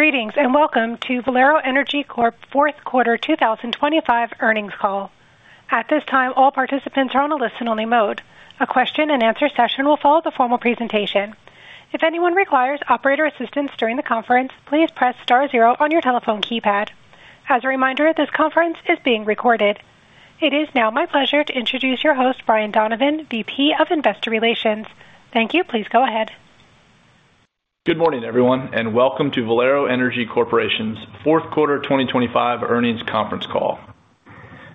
Greetings and welcome to Valero Energy Corp's fourth quarter 2025 earnings call. At this time, all participants are on a listen-only mode. A question-and-answer session will follow the formal presentation. If anyone requires operator assistance during the conference, please press star zero on your telephone keypad. As a reminder, this conference is being recorded. It is now my pleasure to introduce your host, Brian Donovan, VP of Investor Relations. Thank you. Please go ahead. Good morning, everyone, and welcome to Valero Energy Corporation's fourth quarter 2025 earnings conference call.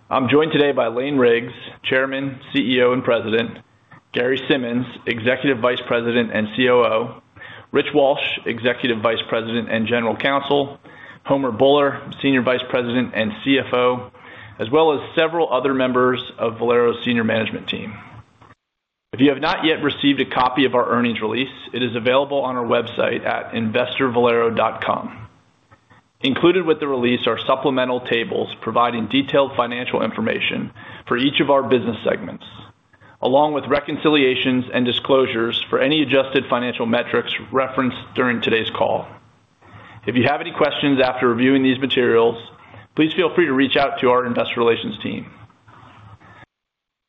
I'm joined today by Lane Riggs, Chairman, CEO, and President; Gary Simmons, Executive Vice President and COO; Rich Walsh, Executive Vice President and General Counsel; Homer Bhullar, Senior Vice President and CFO; as well as several other members of Valero's senior management team. If you have not yet received a copy of our earnings release, it is available on our website at investor.valero.com. Included with the release are supplemental tables providing detailed financial information for each of our business segments, along with reconciliations and disclosures for any adjusted financial metrics referenced during today's call. If you have any questions after reviewing these materials, please feel free to reach out to our investor relations team.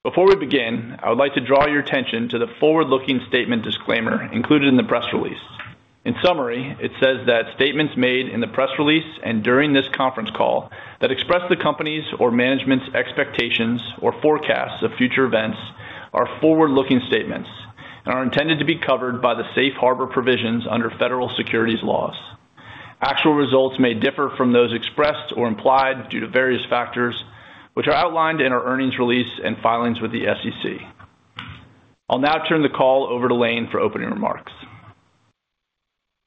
Before we begin, I would like to draw your attention to the forward-looking statement disclaimer included in the press release. In summary, it says that statements made in the press release and during this conference call that express the company's or management's expectations or forecasts of future events are forward-looking statements and are intended to be covered by the safe harbor provisions under federal securities laws. Actual results may differ from those expressed or implied due to various factors, which are outlined in our earnings release and filings with the SEC. I'll now turn the call over to Lane for opening remarks.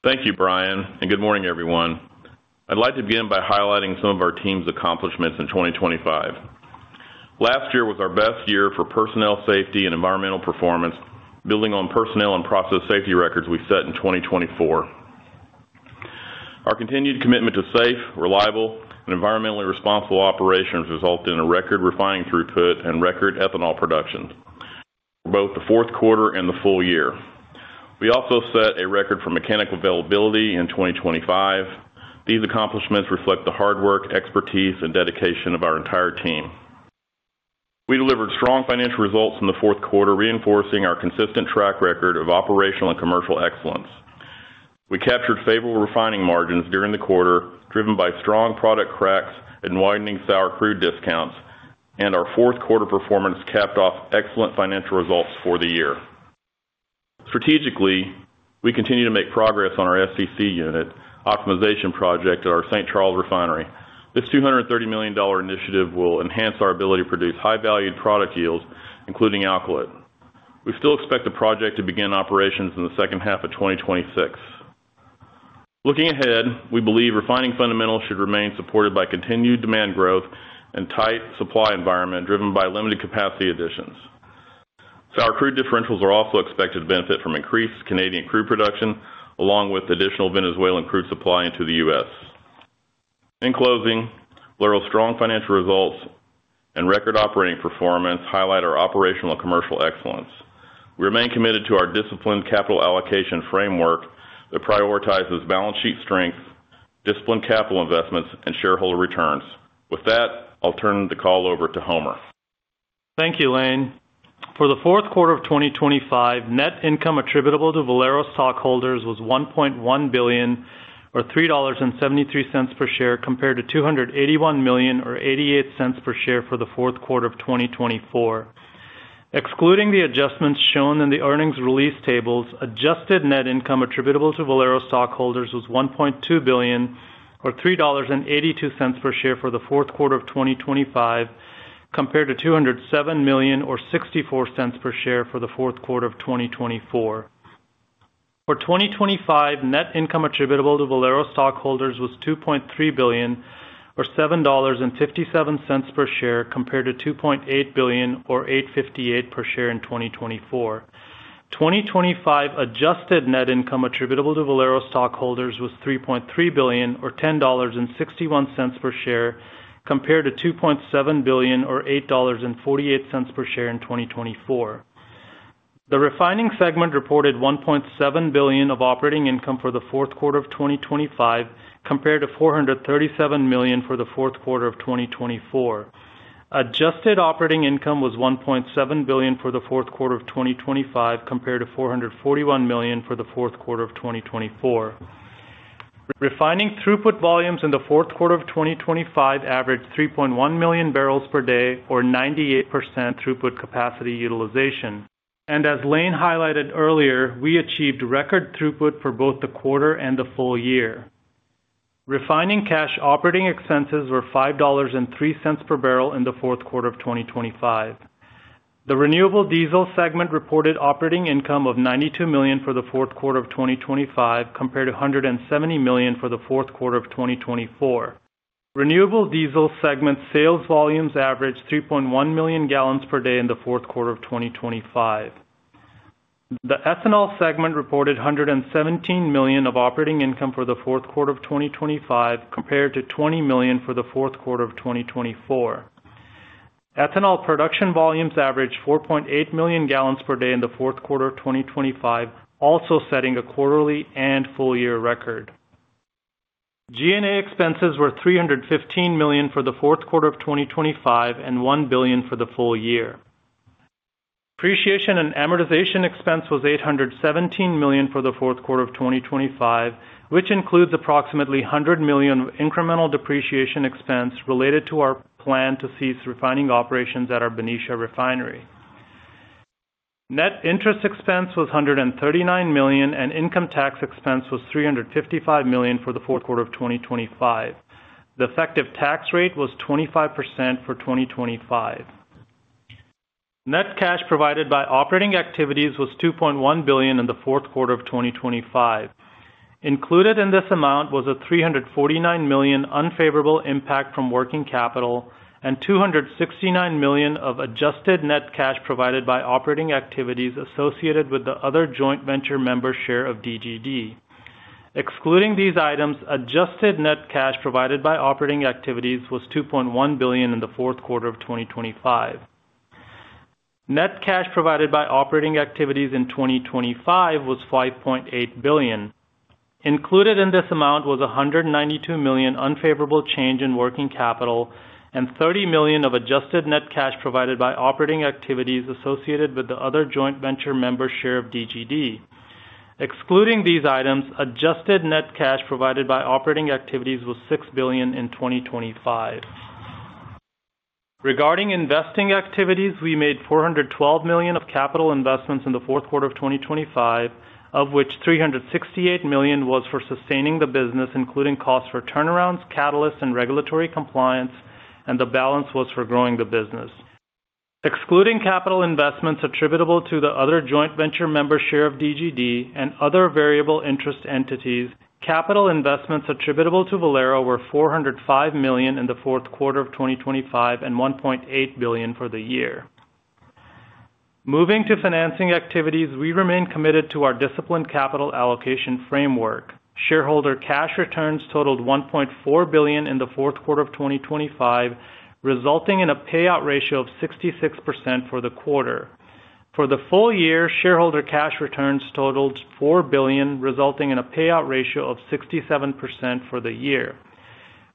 Thank you, Brian, and good morning, everyone. I'd like to begin by highlighting some of our team's accomplishments in 2025. Last year was our best year for personnel safety and environmental performance, building on personnel and process safety records we set in 2024. Our continued commitment to safe, reliable, and environmentally responsible operations resulted in a record refining throughput and record ethanol production for both the fourth quarter and the full year. We also set a record for mechanical availability in 2025. These accomplishments reflect the hard work, expertise, and dedication of our entire team. We delivered strong financial results in the fourth quarter, reinforcing our consistent track record of operational and commercial excellence. We captured favorable refining margins during the quarter, driven by strong product cracks and widening sour crude discounts, and our fourth quarter performance capped off excellent financial results for the year. Strategically, we continue to make progress on our FCC unit optimization project at our St. Charles Refinery. This $230 million initiative will enhance our ability to produce high-valued product yields, including alkylate. We still expect the project to begin operations in the second half of 2026. Looking ahead, we believe refining fundamentals should remain supported by continued demand growth and a tight supply environment driven by limited capacity additions. Sour crude differentials are also expected to benefit from increased Canadian crude production, along with additional Venezuelan crude supply into the U.S. In closing, Valero's strong financial results and record operating performance highlight our operational and commercial excellence. We remain committed to our disciplined capital allocation framework that prioritizes balance sheet strength, disciplined capital investments, and shareholder returns. With that, I'll turn the call over to Homer. Thank you, Lane. For the fourth quarter of 2025, net income attributable to Valero stockholders was $1.1 billion, or $3.73 per share, compared to $281 million, or $0.88 per share, for the fourth quarter of 2024. Excluding the adjustments shown in the earnings release tables, adjusted net income attributable to Valero stockholders was $1.2 billion, or $3.82 per share, for the fourth quarter of 2025, compared to $207 million, or $0.64 per share, for the fourth quarter of 2024. For 2025, net income attributable to Valero stockholders was $2.3 billion, or $7.57 per share, compared to $2.8 billion, or $8.58 per share in 2024. 2025 adjusted net income attributable to Valero stockholders was $3.3 billion, or $10.61 per share, compared to $2.7 billion, or $8.48 per share in 2024. The refining segment reported $1.7 billion of operating income for the fourth quarter of 2025, compared to $437 million for the fourth quarter of 2024. Adjusted operating income was $1.7 billion for the fourth quarter of 2025, compared to $441 million for the fourth quarter of 2024. Refining throughput volumes in the fourth quarter of 2025 averaged 3.1 million barrels per day, or 98% throughput capacity utilization. As Lane highlighted earlier, we achieved record throughput for both the quarter and the full year. Refining cash operating expenses were $5.03 per barrel in the fourth quarter of 2025. The renewable diesel segment reported operating income of $92 million for the fourth quarter of 2025, compared to $170 million for the fourth quarter of 2024. Renewable diesel segment sales volumes averaged 3.1 million gallons per day in the fourth quarter of 2025. The ethanol segment reported $117 million of operating income for the fourth quarter of 2025, compared to $20 million for the fourth quarter of 2024. Ethanol production volumes averaged 4.8 million gallons per day in the fourth quarter of 2025, also setting a quarterly and full-year record. G&A expenses were $315 million for the fourth quarter of 2025 and $1 billion for the full year. Depreciation and amortization expense was $817 million for the fourth quarter of 2025, which includes approximately $100 million incremental depreciation expense related to our plan to cease refining operations at our Benicia Refinery. Net interest expense was $139 million, and income tax expense was $355 million for the fourth quarter of 2025. The effective tax rate was 25% for 2025. Net cash provided by operating activities was $2.1 billion in the fourth quarter of 2025. Included in this amount was a $349 million unfavorable impact from working capital and $269 million of adjusted net cash provided by operating activities associated with the other joint venture member share of DGD. Excluding these items, adjusted net cash provided by operating activities was $2.1 billion in the fourth quarter of 2025. Net cash provided by operating activities in 2025 was $5.8 billion. Included in this amount was $192 million unfavorable change in working capital and $30 million of adjusted net cash provided by operating activities associated with the other joint venture member share of DGD. Excluding these items, adjusted net cash provided by operating activities was $6 billion in 2025. Regarding investing activities, we made $412 million of capital investments in the fourth quarter of 2025, of which $368 million was for sustaining the business, including costs for turnarounds, catalysts, and regulatory compliance, and the balance was for growing the business. Excluding capital investments attributable to the other joint venture member share of DGD and other variable interest entities, capital investments attributable to Valero were $405 million in the fourth quarter of 2025 and $1.8 billion for the year. Moving to financing activities, we remain committed to our disciplined capital allocation framework. Shareholder cash returns totaled $1.4 billion in the fourth quarter of 2025, resulting in a payout ratio of 66% for the quarter. For the full year, shareholder cash returns totaled $4 billion, resulting in a payout ratio of 67% for the year.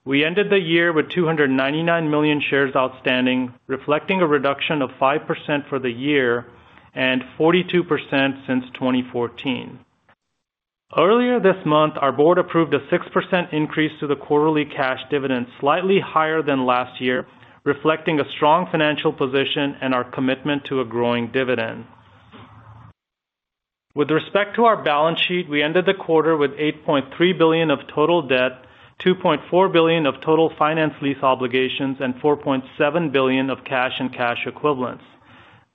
We ended the year with 299 million shares outstanding, reflecting a reduction of 5% for the year and 42% since 2014. Earlier this month, our board approved a 6% increase to the quarterly cash dividend, slightly higher than last year, reflecting a strong financial position and our commitment to a growing dividend. With respect to our balance sheet, we ended the quarter with $8.3 billion of total debt, $2.4 billion of total finance lease obligations, and $4.7 billion of cash and cash equivalents.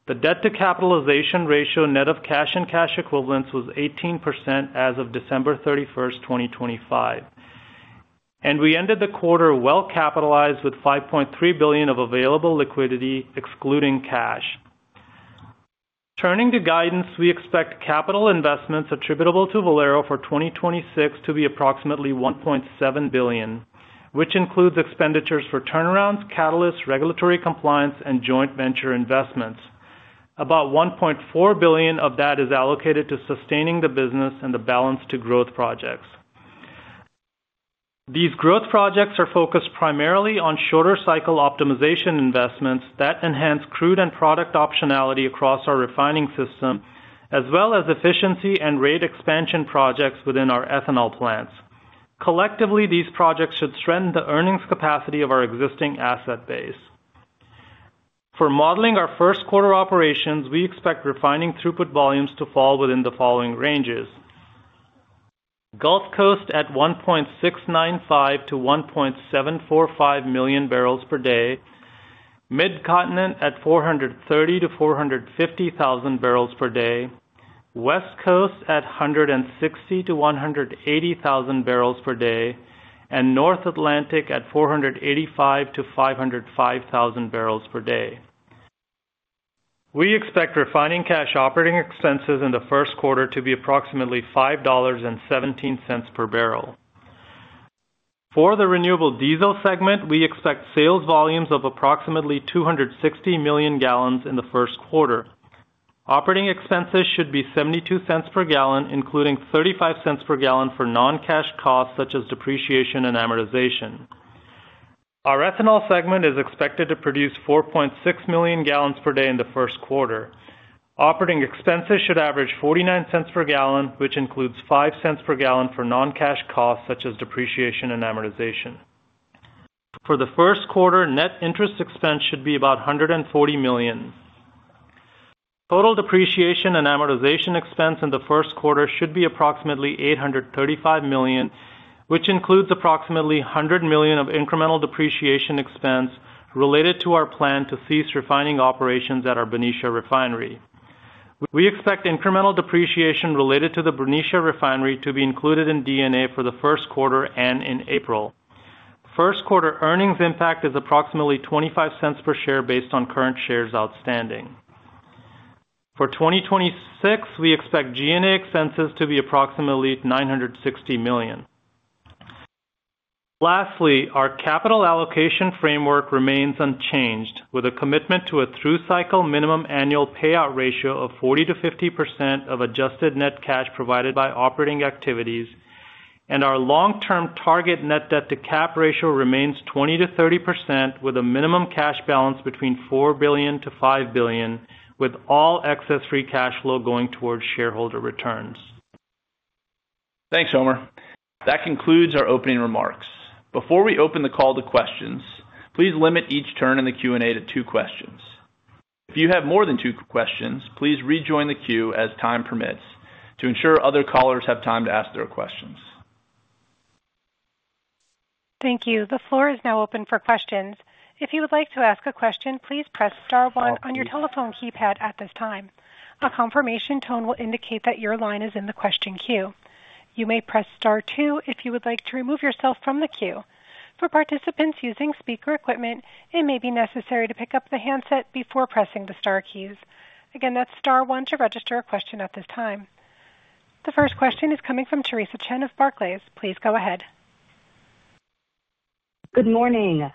The debt-to-capitalization ratio net of cash and cash equivalents was 18% as of December 31, 2025. We ended the quarter well-capitalized with $5.3 billion of available liquidity, excluding cash. Turning to guidance, we expect capital investments attributable to Valero for 2026 to be approximately $1.7 billion, which includes expenditures for turnarounds, catalysts, regulatory compliance, and joint venture investments. About $1.4 billion of that is allocated to sustaining the business and the balance to growth projects. These growth projects are focused primarily on shorter-cycle optimization investments that enhance crude and product optionality across our refining system, as well as efficiency and rate expansion projects within our ethanol plants. Collectively, these projects should strengthen the earnings capacity of our existing asset base. For modeling our first quarter operations, we expect refining throughput volumes to fall within the following ranges: Gulf Coast at 1.695-1.745 million barrels per day; Midcontinent at 430,000-450,000 barrels per day; West Coast at 160,000-180,000 barrels per day; and North Atlantic at 485,000-505,000 barrels per day. We expect refining cash operating expenses in the first quarter to be approximately $5.17 per barrel. For the renewable diesel segment, we expect sales volumes of approximately 260 million gallons in the first quarter. Operating expenses should be $0.72 per gallon, including $0.35 per gallon for non-cash costs such as depreciation and amortization. Our ethanol segment is expected to produce 4.6 million gallons per day in the first quarter. Operating expenses should average $0.49 per gallon, which includes $0.05 per gallon for non-cash costs such as depreciation and amortization. For the first quarter, net interest expense should be about $140 million. Total depreciation and amortization expense in the first quarter should be approximately $835 million, which includes approximately $100 million of incremental depreciation expense related to our plan to cease refining operations at our Benicia Refinery. We expect incremental depreciation related to the Benicia Refinery to be included in D&A for the first quarter and in April. First quarter earnings impact is approximately $0.25 per share based on current shares outstanding. For 2026, we expect G&A expenses to be approximately $960 million. Lastly, our capital allocation framework remains unchanged, with a commitment to a through-cycle minimum annual payout ratio of 40%-50% of adjusted net cash provided by operating activities, and our long-term target net debt-to-cap ratio remains 20%-30%, with a minimum cash balance between $4 billion-$5 billion, with all excess free cash flow going towards shareholder returns. Thanks, Homer. That concludes our opening remarks. Before we open the call to questions, please limit each turn in the Q&A to two questions. If you have more than two questions, please rejoin the queue as time permits to ensure other callers have time to ask their questions. Thank you. The floor is now open for questions. If you would like to ask a question, please press Star one on your telephone keypad at this time. A confirmation tone will indicate that your line is in the question queue. You may press Star two if you would like to remove yourself from the queue. For participants using speaker equipment, it may be necessary to pick up the handset before pressing the Star keys. Again, that's Star one to register a question at this time. The first question is coming from Theresa Chen of Barclays. Please go ahead. Good morning.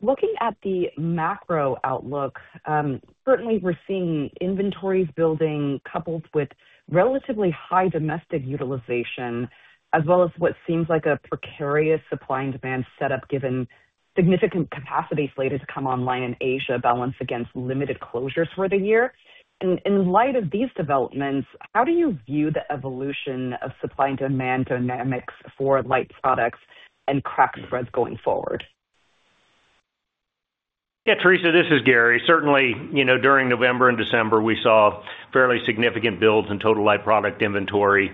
Looking at the macro outlook, certainly we're seeing inventories building coupled with relatively high domestic utilization, as well as what seems like a precarious supply and demand setup given significant capacity slate has come online in Asia balanced against limited closures for the year. In light of these developments, how do you view the evolution of supply and demand dynamics for light products and crack spreads going forward? Yeah, Teresa, this is Gary. Certainly, during November and December, we saw fairly significant builds in total light product inventory.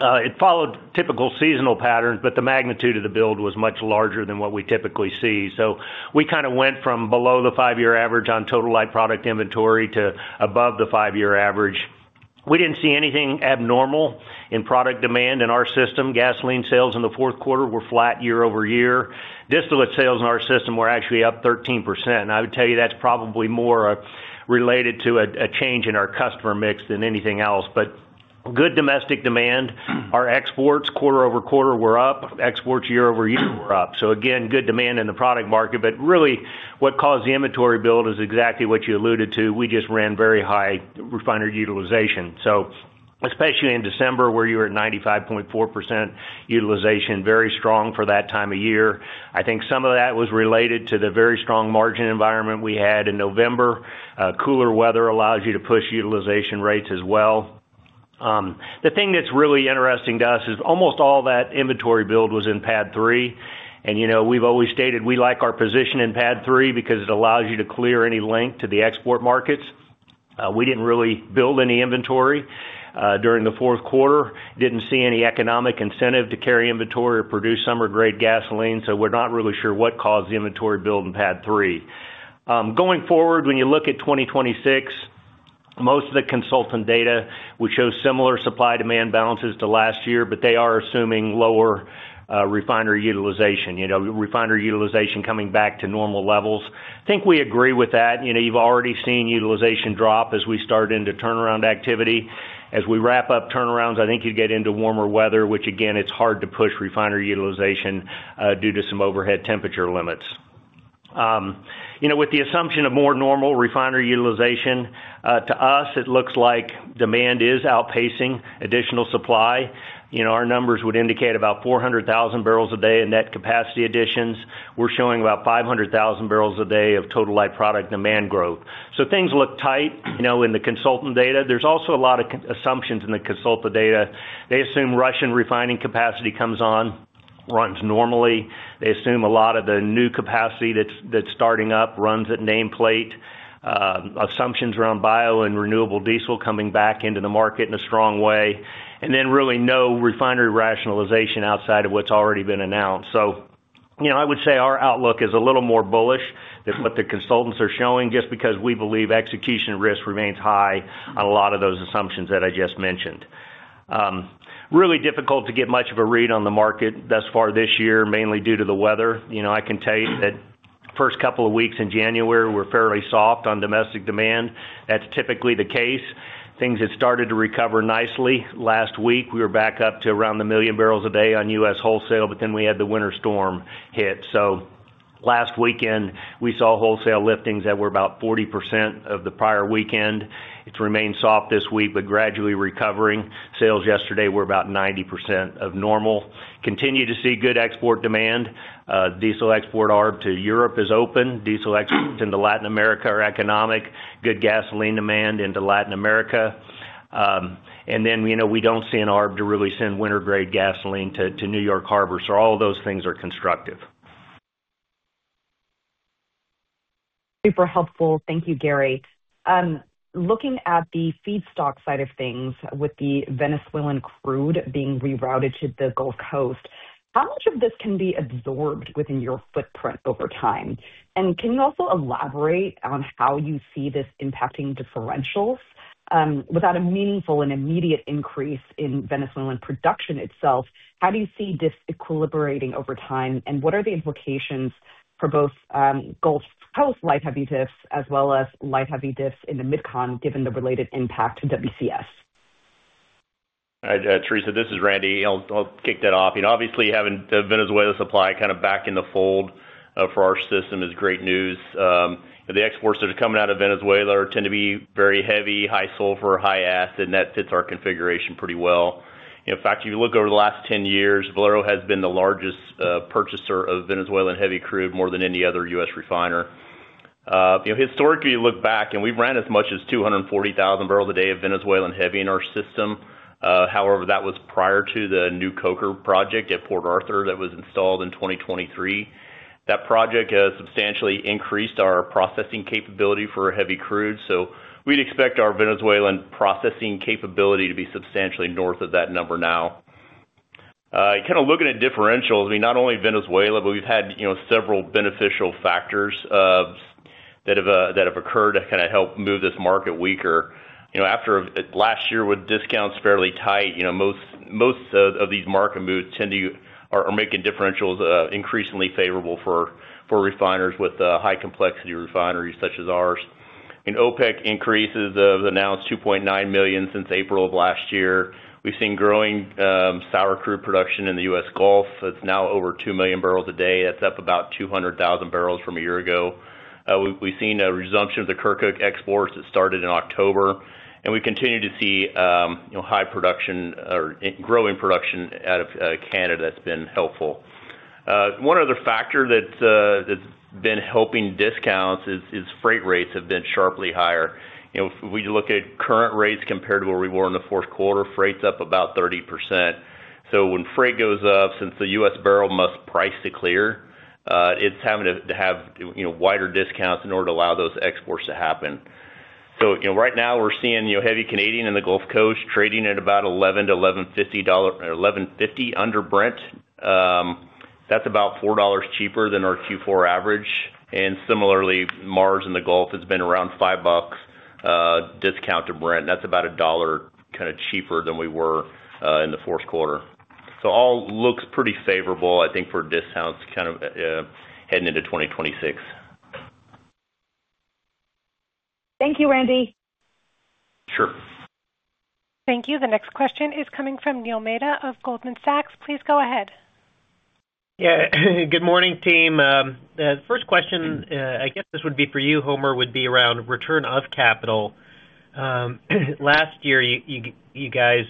It followed typical seasonal patterns, but the magnitude of the build was much larger than what we typically see. So we kind of went from below the 5-year average on total light product inventory to above the five-year average. We didn't see anything abnormal in product demand in our system. Gasoline sales in the fourth quarter were flat year-over-year. Distillate sales in our system were actually up 13%. And I would tell you that's probably more related to a change in our customer mix than anything else. But good domestic demand, our exports quarter-over-quarter were up. Exports year-over-year were up. So again, good demand in the product market. But really, what caused the inventory build is exactly what you alluded to. We just ran very high refinery utilization. So especially in December, where you were at 95.4% utilization, very strong for that time of year. I think some of that was related to the very strong margin environment we had in November. Cooler weather allows you to push utilization rates as well. The thing that's really interesting to us is almost all that inventory build was in PADD 3. And we've always stated we like our position in PADD 3 because it allows you to clear any link to the export markets. We didn't really build any inventory during the fourth quarter. Didn't see any economic incentive to carry inventory or produce summer-grade gasoline. So we're not really sure what caused the inventory build in PADD 3. Going forward, when you look at 2026, most of the consultant data would show similar supply-demand balances to last year, but they are assuming lower refinery utilization, refinery utilization coming back to normal levels. I think we agree with that. You've already seen utilization drop as we start into turnaround activity. As we wrap up turnarounds, I think you'd get into warmer weather, which, again, it's hard to push refinery utilization due to some overhead temperature limits. With the assumption of more normal refinery utilization, to us, it looks like demand is outpacing additional supply. Our numbers would indicate about 400,000 barrels a day in net capacity additions. We're showing about 500,000 barrels a day of total light product demand growth. So things look tight in the consultant data. There's also a lot of assumptions in the consultant data. They assume Russian refining capacity comes on, runs normally. They assume a lot of the new capacity that's starting up runs at nameplate. Assumptions around bio and renewable diesel coming back into the market in a strong way. And then really no refinery rationalization outside of what's already been announced. So I would say our outlook is a little more bullish than what the consultants are showing just because we believe execution risk remains high on a lot of those assumptions that I just mentioned. Really difficult to get much of a read on the market thus far this year, mainly due to the weather. I can tell you that first couple of weeks in January, we're fairly soft on domestic demand. That's typically the case. Things had started to recover nicely. Last week, we were back up to around 1 million barrels a day on U.S. wholesale, but then we had the winter storm hit. So last weekend, we saw wholesale liftings that were about 40% of the prior weekend. It's remained soft this week, but gradually recovering. Sales yesterday were about 90% of normal. Continue to see good export demand. Diesel export arb to Europe is open. Diesel exports into Latin America are economic. Good gasoline demand into Latin America. And then we don't see an arb to really send winter-grade gasoline to New York Harbor. So all of those things are constructive. Super helpful. Thank you, Gary. Looking at the feedstock side of things with the Venezuelan crude being rerouted to the Gulf Coast, how much of this can be absorbed within your footprint over time? And can you also elaborate on how you see this impacting differentials? Without a meaningful and immediate increase in Venezuelan production itself, how do you see this equilibrating over time? And what are the implications for both Gulf Coast light-heavy diffs as well as light-heavy diffs in the Midcontinent given the related impact to WCS? All right, Teresa, this is Randy. I'll kick that off. Obviously, having the Venezuela supply kind of back in the fold for our system is great news. The exports that are coming out of Venezuela tend to be very heavy, high sulfur, high acid, and that fits our configuration pretty well. In fact, if you look over the last 10 years, Valero has been the largest purchaser of Venezuelan heavy crude more than any other U.S. refiner. Historically, you look back, and we've ran as much as 240,000 barrels a day of Venezuelan heavy in our system. However, that was prior to the new coker project at Port Arthur that was installed in 2023. That project has substantially increased our processing capability for heavy crude. So we'd expect our Venezuelan processing capability to be substantially north of that number now. Kind of looking at differentials, I mean, not only Venezuela, but we've had several beneficial factors that have occurred to kind of help move this market weaker. After last year with discounts fairly tight, most of these market moves tend to are making differentials increasingly favorable for refiners with high-complexity refineries such as ours. OPEC increases have announced 2.9 million since April of last year. We've seen growing sour crude production in the U.S. Gulf. It's now over 2 million barrels a day. That's up about 200,000 barrels from a year ago. We've seen a resumption of the Kirkuk exports that started in October. And we continue to see high production or growing production out of Canada that's been helpful. One other factor that's been helping discounts is freight rates have been sharply higher. If we look at current rates compared to where we were in the fourth quarter, freight's up about 30%. So when freight goes up, since the U.S. barrel must price to clear, it's having to have wider discounts in order to allow those exports to happen. So right now, we're seeing Heavy Canadian in the Gulf Coast trading at about $11-$11.50 under Brent. That's about $4 cheaper than our Q4 average. And similarly, Mars in the Gulf has been around $5 discount to Brent. That's about a dollar kind of cheaper than we were in the fourth quarter. So all looks pretty favorable, I think, for discounts kind of heading into 2026. Thank you, Randy. Sure. Thank you. The next question is coming from Neil Mehta of Goldman Sachs. Please go ahead. Yeah, good morning, team. The first question, I guess this would be for you, Homer, would be around return of capital. Last year, you guys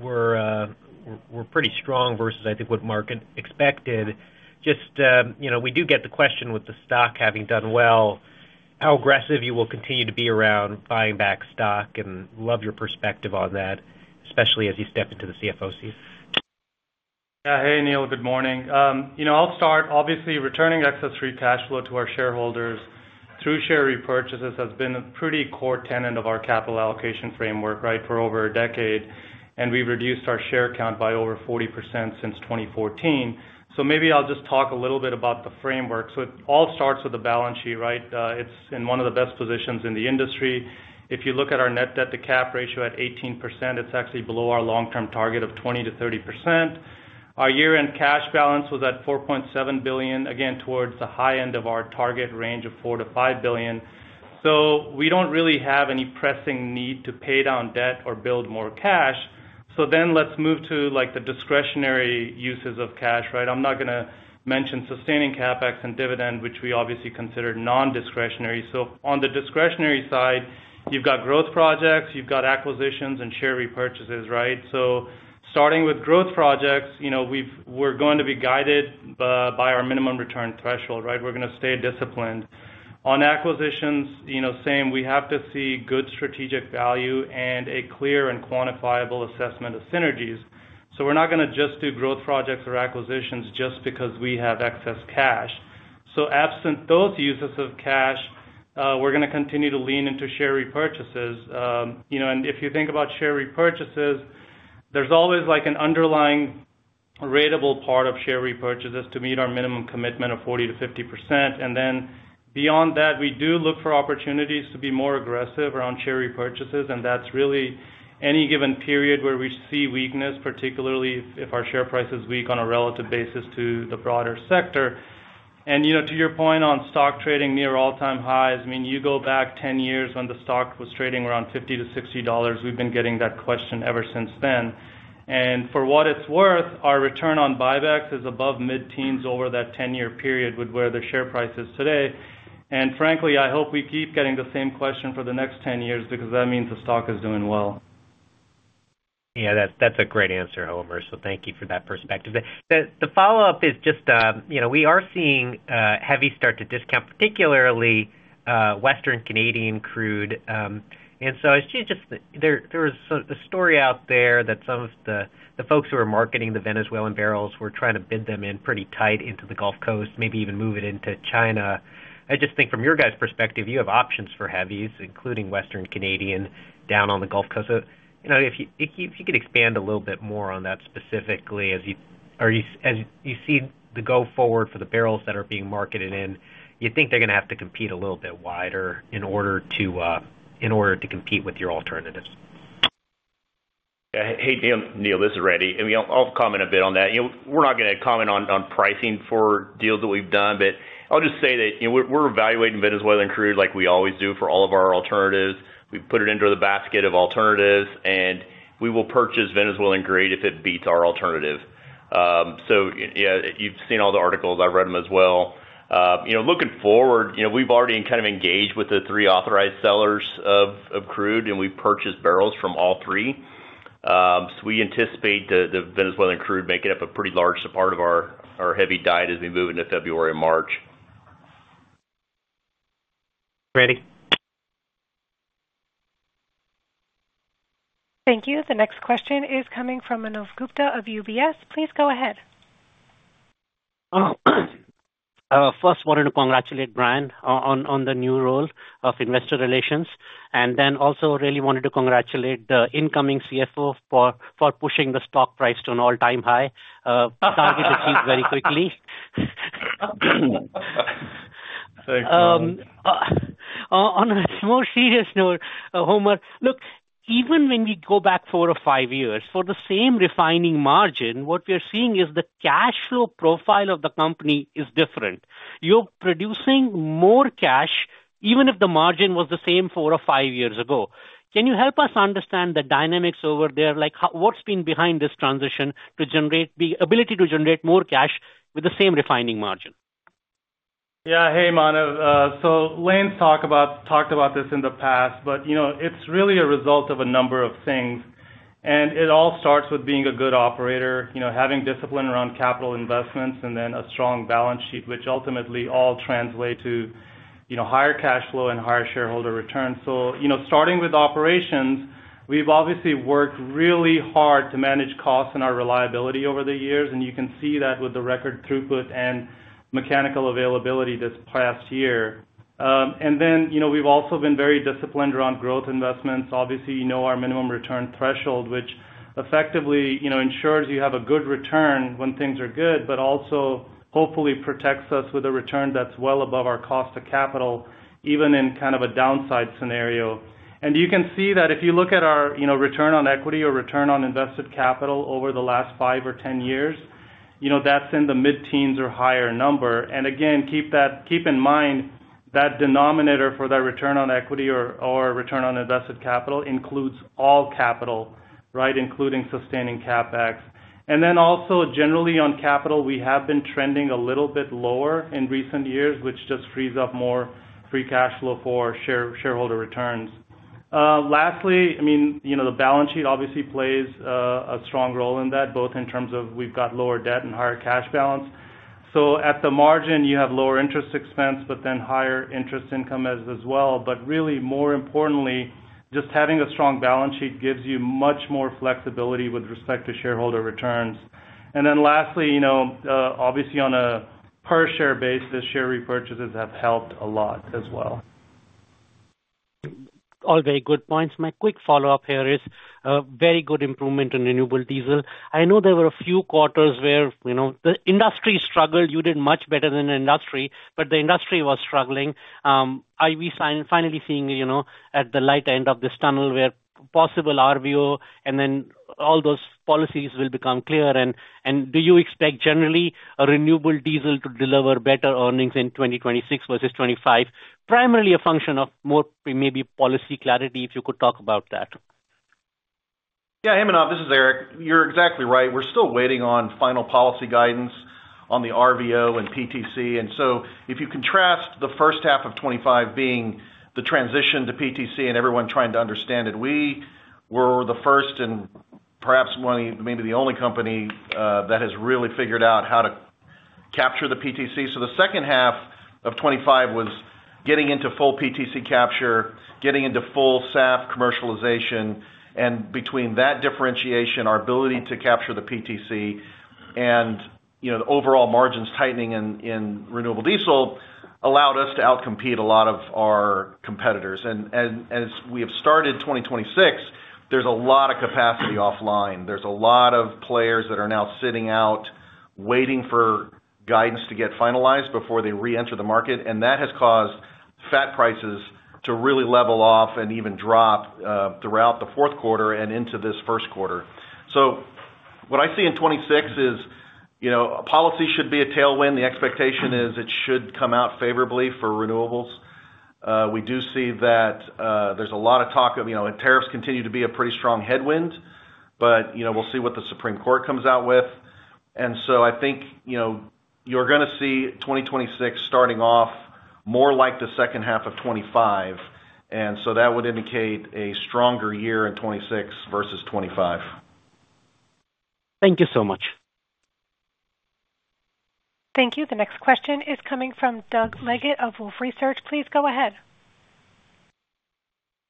were pretty strong versus I think what market expected. Just we do get the question with the stock having done well. How aggressive you will continue to be around buying back stock, and love your perspective on that, especially as you step into the CFO seat. Yeah, hey, Neil, good morning. I'll start. Obviously, returning excess free cash flow to our shareholders through share repurchases has been a pretty core tenet of our capital allocation framework, right, for over a decade. We've reduced our share count by over 40% since 2014. Maybe I'll just talk a little bit about the framework. It all starts with the balance sheet, right? It's in one of the best positions in the industry. If you look at our net debt-to-cap ratio at 18%, it's actually below our long-term target of 20%-30%. Our year-end cash balance was at $4.7 billion, again, towards the high end of our target range of $4-$5 billion. We don't really have any pressing need to pay down debt or build more cash. Then let's move to the discretionary uses of cash, right? I'm not going to mention sustaining CapEx and dividend, which we obviously consider non-discretionary. So on the discretionary side, you've got growth projects, you've got acquisitions, and share repurchases, right? So starting with growth projects, we're going to be guided by our minimum return threshold, right? We're going to stay disciplined. On acquisitions, same. We have to see good strategic value and a clear and quantifiable assessment of synergies. So we're not going to just do growth projects or acquisitions just because we have excess cash. So absent those uses of cash, we're going to continue to lean into share repurchases. And if you think about share repurchases, there's always an underlying ratable part of share repurchases to meet our minimum commitment of 40%-50%. And then beyond that, we do look for opportunities to be more aggressive around share repurchases. That's really any given period where we see weakness, particularly if our share price is weak on a relative basis to the broader sector. To your point on stock trading near all-time highs, I mean, you go back 10 years when the stock was trading around $50-$60. We've been getting that question ever since then. For what it's worth, our return on buybacks is above mid-teens over that 10-year period with where the share price is today. Frankly, I hope we keep getting the same question for the next 10 years because that means the stock is doing well. Yeah, that's a great answer, Homer. So thank you for that perspective. The follow-up is just we are seeing heavy start to discount, particularly Western Canadian crude. And so there was a story out there that some of the folks who are marketing the Venezuelan barrels were trying to bid them in pretty tight into the Gulf Coast, maybe even move it into China. I just think from your guys' perspective, you have options for heavies, including Western Canadian down on the Gulf Coast. So if you could expand a little bit more on that specifically, as you see the go-forward for the barrels that are being marketed in, you think they're going to have to compete a little bit wider in order to compete with your alternatives? Hey, Neil, this is Randy. I'll comment a bit on that. We're not going to comment on pricing for deals that we've done, but I'll just say that we're evaluating Venezuelan crude like we always do for all of our alternatives. We put it into the basket of alternatives, and we will purchase Venezuelan crude if it beats our alternative. So yeah, you've seen all the articles. I've read them as well. Looking forward, we've already kind of engaged with the three authorized sellers of crude, and we've purchased barrels from all three. So we anticipate the Venezuelan crude making up a pretty large part of our heavy diet as we move into February and March. Randy. Thank you. The next question is coming from Manav Gupta of UBS. Please go ahead. First, wanted to congratulate Brian on the new role of investor relations. And then also really wanted to congratulate the incoming CFO for pushing the stock price to an all-time high. Target achieved very quickly. On a more serious note, Homer, look, even when we go back four or five years for the same refining margin, what we are seeing is the cash flow profile of the company is different. You're producing more cash even if the margin was the same four or five years ago. Can you help us understand the dynamics over there? What's been behind this transition to generate the ability to generate more cash with the same refining margin? Yeah, hey, Manav. So Lane's talked about this in the past, but it's really a result of a number of things. And it all starts with being a good operator, having discipline around capital investments, and then a strong balance sheet, which ultimately all translate to higher cash flow and higher shareholder return. So starting with operations, we've obviously worked really hard to manage costs and our reliability over the years. And you can see that with the record throughput and mechanical availability this past year. And then we've also been very disciplined around growth investments. Obviously, you know our minimum return threshold, which effectively ensures you have a good return when things are good, but also hopefully protects us with a return that's well above our cost of capital, even in kind of a downside scenario. You can see that if you look at our return on equity or return on invested capital over the last 5 or 10 years, that's in the mid-teens or higher number. And again, keep in mind that denominator for that return on equity or return on invested capital includes all capital, right, including sustaining CapEx. And then also generally on capital, we have been trending a little bit lower in recent years, which just frees up more free cash flow for shareholder returns. Lastly, I mean, the balance sheet obviously plays a strong role in that, both in terms of we've got lower debt and higher cash balance. So at the margin, you have lower interest expense, but then higher interest income as well. But really, more importantly, just having a strong balance sheet gives you much more flexibility with respect to shareholder returns. Lastly, obviously on a per-share basis, share repurchases have helped a lot as well. All very good points. My quick follow-up here is very good improvement in renewable diesel. I know there were a few quarters where the industry struggled. You did much better than the industry, but the industry was struggling. We're finally seeing the light at the end of this tunnel, hopefully RVO and then all those policies will become clear. And do you expect generally a renewable diesel to deliver better earnings in 2026 versus 2025? Primarily a function of more maybe policy clarity if you could talk about that. Yeah, hey, Manav, this is Eric. You're exactly right. We're still waiting on final policy guidance on the RVO and PTC. And so if you contrast the first half of 2025 being the transition to PTC and everyone trying to understand it, we were the first and perhaps maybe the only company that has really figured out how to capture the PTC. So the second half of 2025 was getting into full PTC capture, getting into full SAF commercialization. And between that differentiation, our ability to capture the PTC and the overall margins tightening in renewable diesel allowed us to outcompete a lot of our competitors. And as we have started 2026, there's a lot of capacity offline. There's a lot of players that are now sitting out waiting for guidance to get finalized before they re-enter the market. That has caused fat prices to really level off and even drop throughout the fourth quarter and into this first quarter. So what I see in 2026 is policy should be a tailwind. The expectation is it should come out favorably for renewables. We do see that there's a lot of talk of tariffs continue to be a pretty strong headwind, but we'll see what the Supreme Court comes out with. And so I think you're going to see 2026 starting off more like the second half of 2025. And so that would indicate a stronger year in 2026 versus 2025. Thank you so much. Thank you. The next question is coming from Doug Leggate of Wolfe Research. Please go ahead.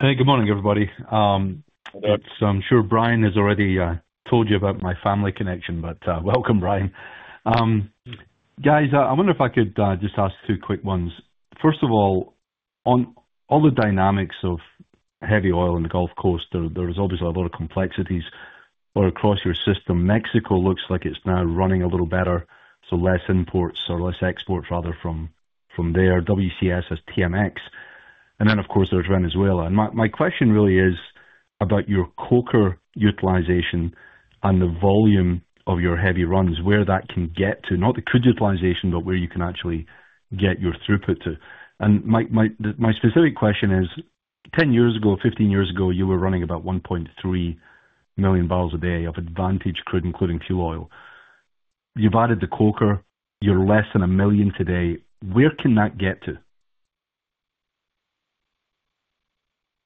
Hey, good morning, everybody. I'm sure Brian has already told you about my family connection, but welcome, Brian. Guys, I wonder if I could just ask two quick ones. First of all, on all the dynamics of heavy oil in the Gulf Coast, there's obviously a lot of complexities across your system. Mexico looks like it's now running a little better, so less imports or less exports rather from there. WCS has TMX. And then, of course, there's Venezuela. And my question really is about your coker utilization and the volume of your heavy runs, where that can get to, not the crude utilization, but where you can actually get your throughput to. And my specific question is, 10 years ago, 15 years ago, you were running about 1.3 million barrels a day of advantage crude, including fuel oil. You've added the coker. You're less than a million today. Where can that get to?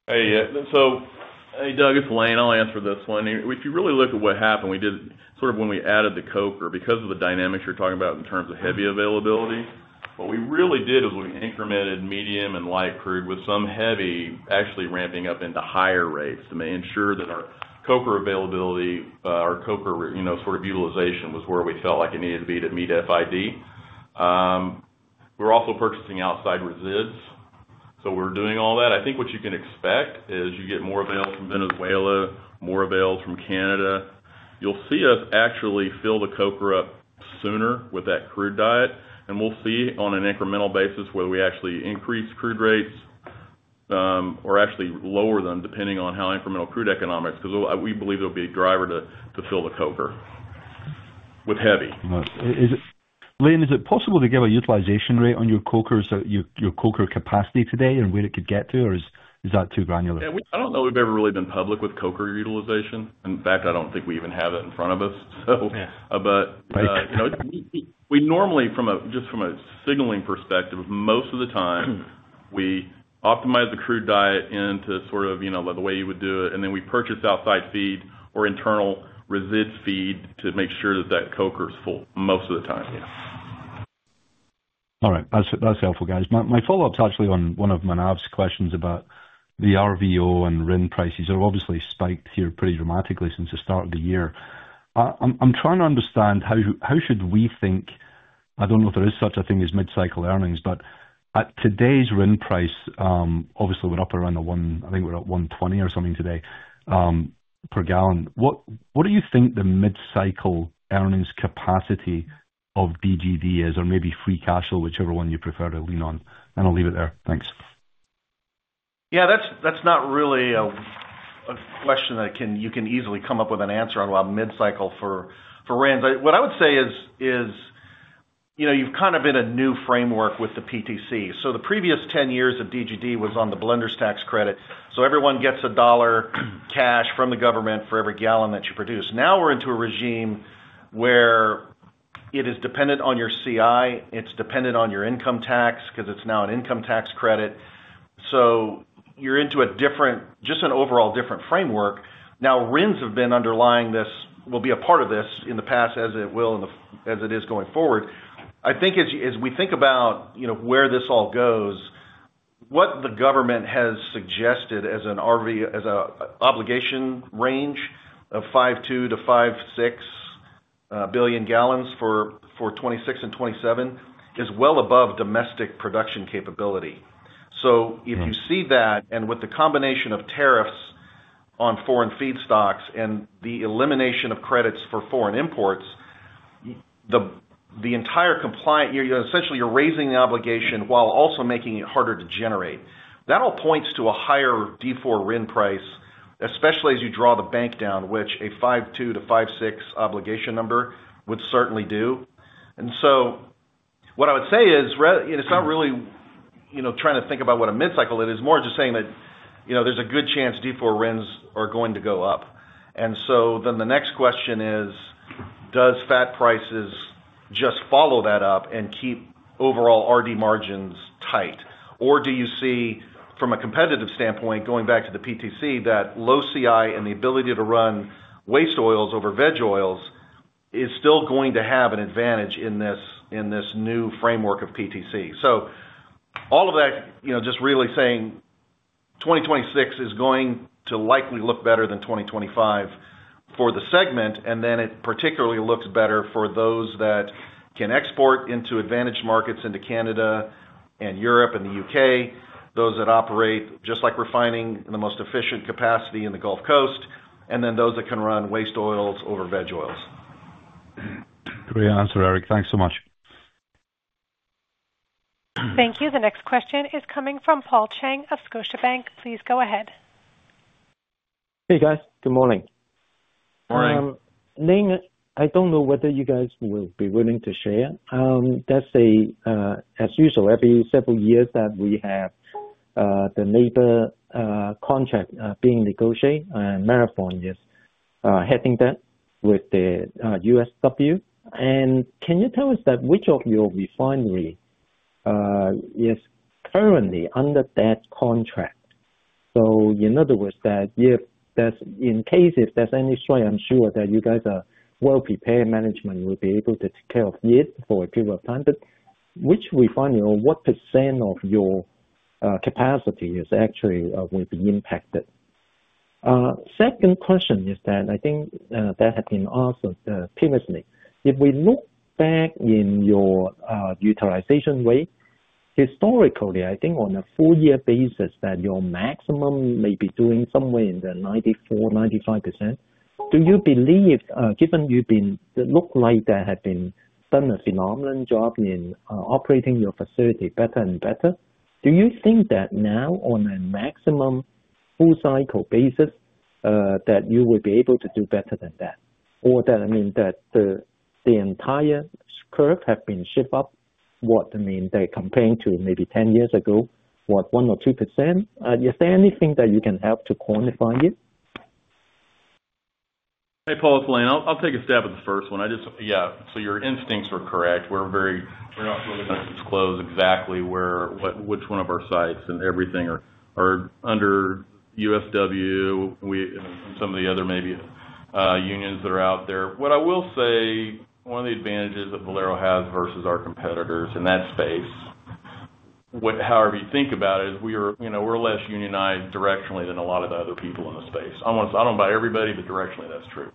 Hey, yeah. So hey, Doug, it's Lane. I'll answer this one. If you really look at what happened, we did sort of when we added the coker, because of the dynamics you're talking about in terms of heavy availability, what we really did is we incremented medium and light crude with some heavy actually ramping up into higher rates to ensure that our coker availability, our coker sort of utilization was where we felt like it needed to be to meet FID. We're also purchasing outside resids. So we're doing all that. I think what you can expect is you get more available from Venezuela, more available from Canada. You'll see us actually fill the coker up sooner with that crude diet. We'll see on an incremental basis whether we actually increase crude rates or actually lower them depending on how incremental crude economics because we believe it'll be a driver to fill the coker with heavy. Lane, is it possible to get a utilization rate on your coker capacity today and where it could get to, or is that too granular? I don't know if we've ever really been public with coker utilization. In fact, I don't think we even have it in front of us. But we normally, just from a signaling perspective, most of the time, we optimize the crude diet into sort of the way you would do it. And then we purchase outside feed or internal resid feed to make sure that that coker is full most of the time. All right. That's helpful, guys. My follow-up is actually on one of Manav's questions about the RVO and RIN prices are obviously spiked here pretty dramatically since the start of the year. I'm trying to understand how should we think? I don't know if there is such a thing as mid-cycle earnings, but at today's RIN price, obviously we're up around the $1, I think we're at $1.20 or something today per gallon. What do you think the mid-cycle earnings capacity of DGD is, or maybe free cash flow, whichever one you prefer to lean on? And I'll leave it there. Thanks. Yeah, that's not really a question that you can easily come up with an answer on about mid-cycle for RINs. What I would say is you've kind of been a new framework with the PTC. So the previous 10 years of DGD was on the blender's tax credit. So everyone gets $1 cash from the government for every gallon that you produce. Now we're into a regime where it is dependent on your CI. It's dependent on your income tax because it's now an income tax credit. So you're into a different, just an overall different framework. Now, RINs have been underlying this will be a part of this in the past as it will, as it is going forward. I think as we think about where this all goes, what the government has suggested as an obligation range of 5.2-5.6 billion gallons for 2026 and 2027 is well above domestic production capability. So if you see that and with the combination of tariffs on foreign feedstocks and the elimination of credits for foreign imports, the entire compliance, essentially you're raising the obligation while also making it harder to generate. That all points to a higher D4 RIN price, especially as you draw the bank down, which a 5.2-5.6 obligation number would certainly do. And so what I would say is it's not really trying to think about what a mid-cycle it is, more just saying that there's a good chance D4 RINs are going to go up. So then the next question is, does fat prices just follow that up and keep overall RD margins tight? Or do you see from a competitive standpoint, going back to the PTC, that low CI and the ability to run waste oils over veg oils is still going to have an advantage in this new framework of PTC? So all of that just really saying 2026 is going to likely look better than 2025 for the segment. Then it particularly looks better for those that can export into advantage markets into Canada and Europe and the UK, those that operate just like refining in the most efficient capacity in the Gulf Coast, and then those that can run waste oils over veg oils. Great answer, Eric. Thanks so much. Thank you. The next question is coming from Paul Cheng of Scotiabank. Please go ahead. Hey, guys. Good morning. Morning. Lane, I don't know whether you guys will be willing to share. That's a, as usual, every several years that we have the labor contract being negotiated, Marathon is heading that with the USW. And can you tell us that which of your refineries is currently under that contract? So in other words, that if that's in case if there's any strike, I'm sure that you guys are well-prepared management will be able to take care of it for a period of time. But which refinery or what percent of your capacity is actually will be impacted? Second question is that I think that has been asked previously. If we look back in your utilization rate, historically, I think on a four-year basis that your maximum may be doing somewhere in the 94%-95%. Do you believe, given you've been it looks like that has been done a phenomenal job in operating your facility better and better? Do you think that now, on a maximum full-cycle basis, that you would be able to do better than that? Or that, I mean, that the entire curve has been shifted up, what I mean, compared to maybe 10 years ago, what, 1% or 2%? Is there anything that you can help to quantify it? Hey, Paul, it's Lane, I'll take a stab at the first one. I just, yeah, so your instincts were correct. We're not really going to disclose exactly which one of our sites and everything are under USW and some of the other maybe unions that are out there. What I will say, one of the advantages that Valero has versus our competitors in that space, however you think about it, is we're less unionized directionally than a lot of the other people in the space. I don't buy everybody, but directionally, that's true.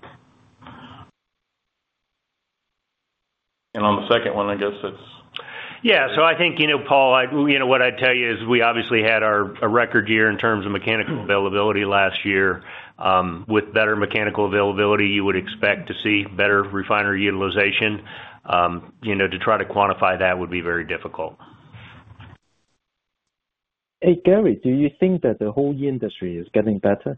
And on the second one, I guess it's. Yeah. So I think, Paul, what I'd tell you is we obviously had a record year in terms of mechanical availability last year. With better mechanical availability, you would expect to see better refinery utilization. To try to quantify that would be very difficult. Hey, Gary, do you think that the whole industry is getting better?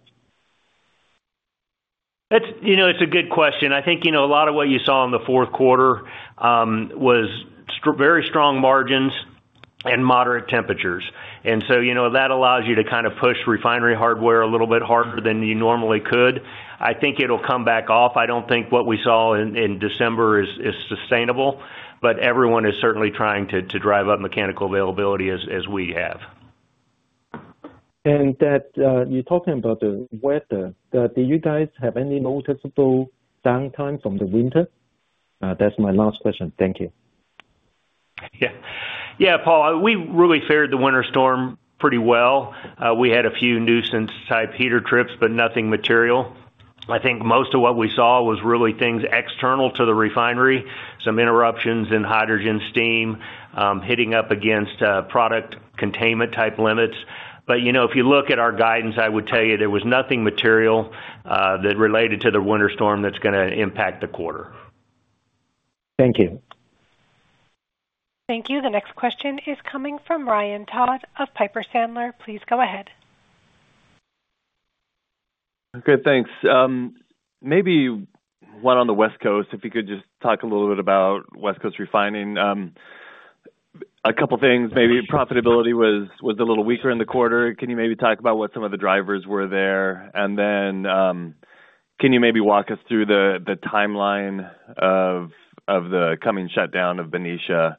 It's a good question. I think a lot of what you saw in the fourth quarter was very strong margins and moderate temperatures. And so that allows you to kind of push refinery hardware a little bit harder than you normally could. I think it'll come back off. I don't think what we saw in December is sustainable, but everyone is certainly trying to drive up mechanical availability as we have. And that you're talking about the weather, do you guys have any noticeable downtime from the winter? That's my last question. Thank you. Yeah. Yeah, Paul, we really fared the winter storm pretty well. We had a few nuisance-type heater trips, but nothing material. I think most of what we saw was really things external to the refinery, some interruptions in hydrogen steam hitting up against product containment-type limits. But if you look at our guidance, I would tell you there was nothing material that related to the winter storm that's going to impact the quarter. Thank you. Thank you. The next question is coming from Ryan Todd of Piper Sandler. Please go ahead. Good, thanks. Maybe one on the West Coast, if you could just talk a little bit about West Coast refining. A couple of things, maybe profitability was a little weaker in the quarter. Can you maybe talk about what some of the drivers were there? And then can you maybe walk us through the timeline of the coming shutdown of Benicia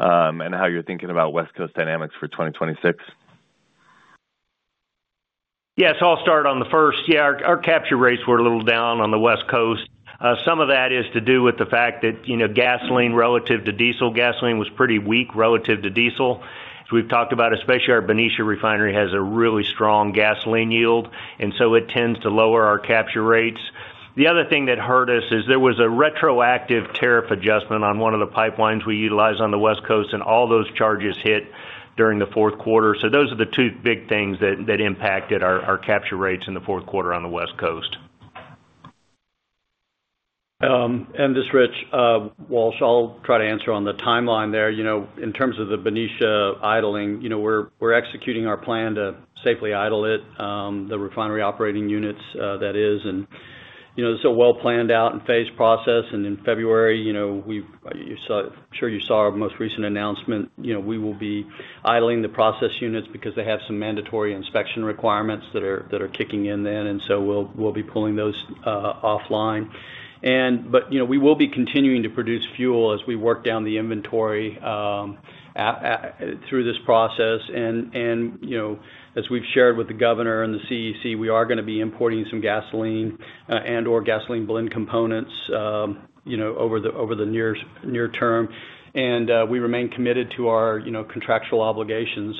and how you're thinking about West Coast dynamics for 2026? Yes, I'll start on the first. Yeah, our capture rates were a little down on the West Coast. Some of that is to do with the fact that gasoline relative to diesel gasoline was pretty weak relative to diesel. As we've talked about, especially our Benicia Refinery has a really strong gasoline yield. And so it tends to lower our capture rates. The other thing that hurt us is there was a retroactive tariff adjustment on one of the pipelines we utilize on the West Coast, and all those charges hit during the fourth quarter. So those are the two big things that impacted our capture rates in the fourth quarter on the West Coast. This is Rich Walsh. I'll try to answer on the timeline there. In terms of the Benicia idling, we're executing our plan to safely idle it, the refinery operating units that is. It's a well-planned out and phased process. In February, you saw, I'm sure you saw our most recent announcement, we will be idling the process units because they have some mandatory inspection requirements that are kicking in then. So we'll be pulling those offline. But we will be continuing to produce fuel as we work down the inventory through this process. As we've shared with the governor and the CEC, we are going to be importing some gasoline and/or gasoline blend components over the near term. We remain committed to our contractual obligations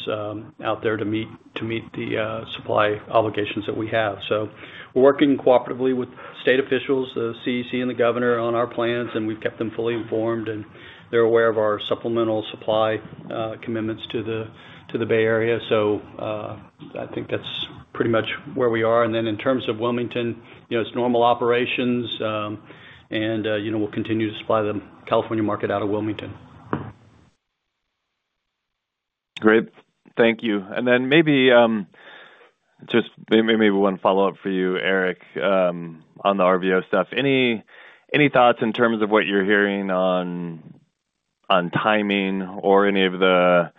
out there to meet the supply obligations that we have. We're working cooperatively with state officials, the CEC, and the governor on our plans. We've kept them fully informed, and they're aware of our supplemental supply commitments to the Bay Area. I think that's pretty much where we are. Then in terms of Wilmington, it's normal operations, and we'll continue to supply the California market out of Wilmington. Great. Thank you. And then maybe just maybe one follow-up for you, Eric, on the RVO stuff. Any thoughts in terms of what you're hearing on timing or any of the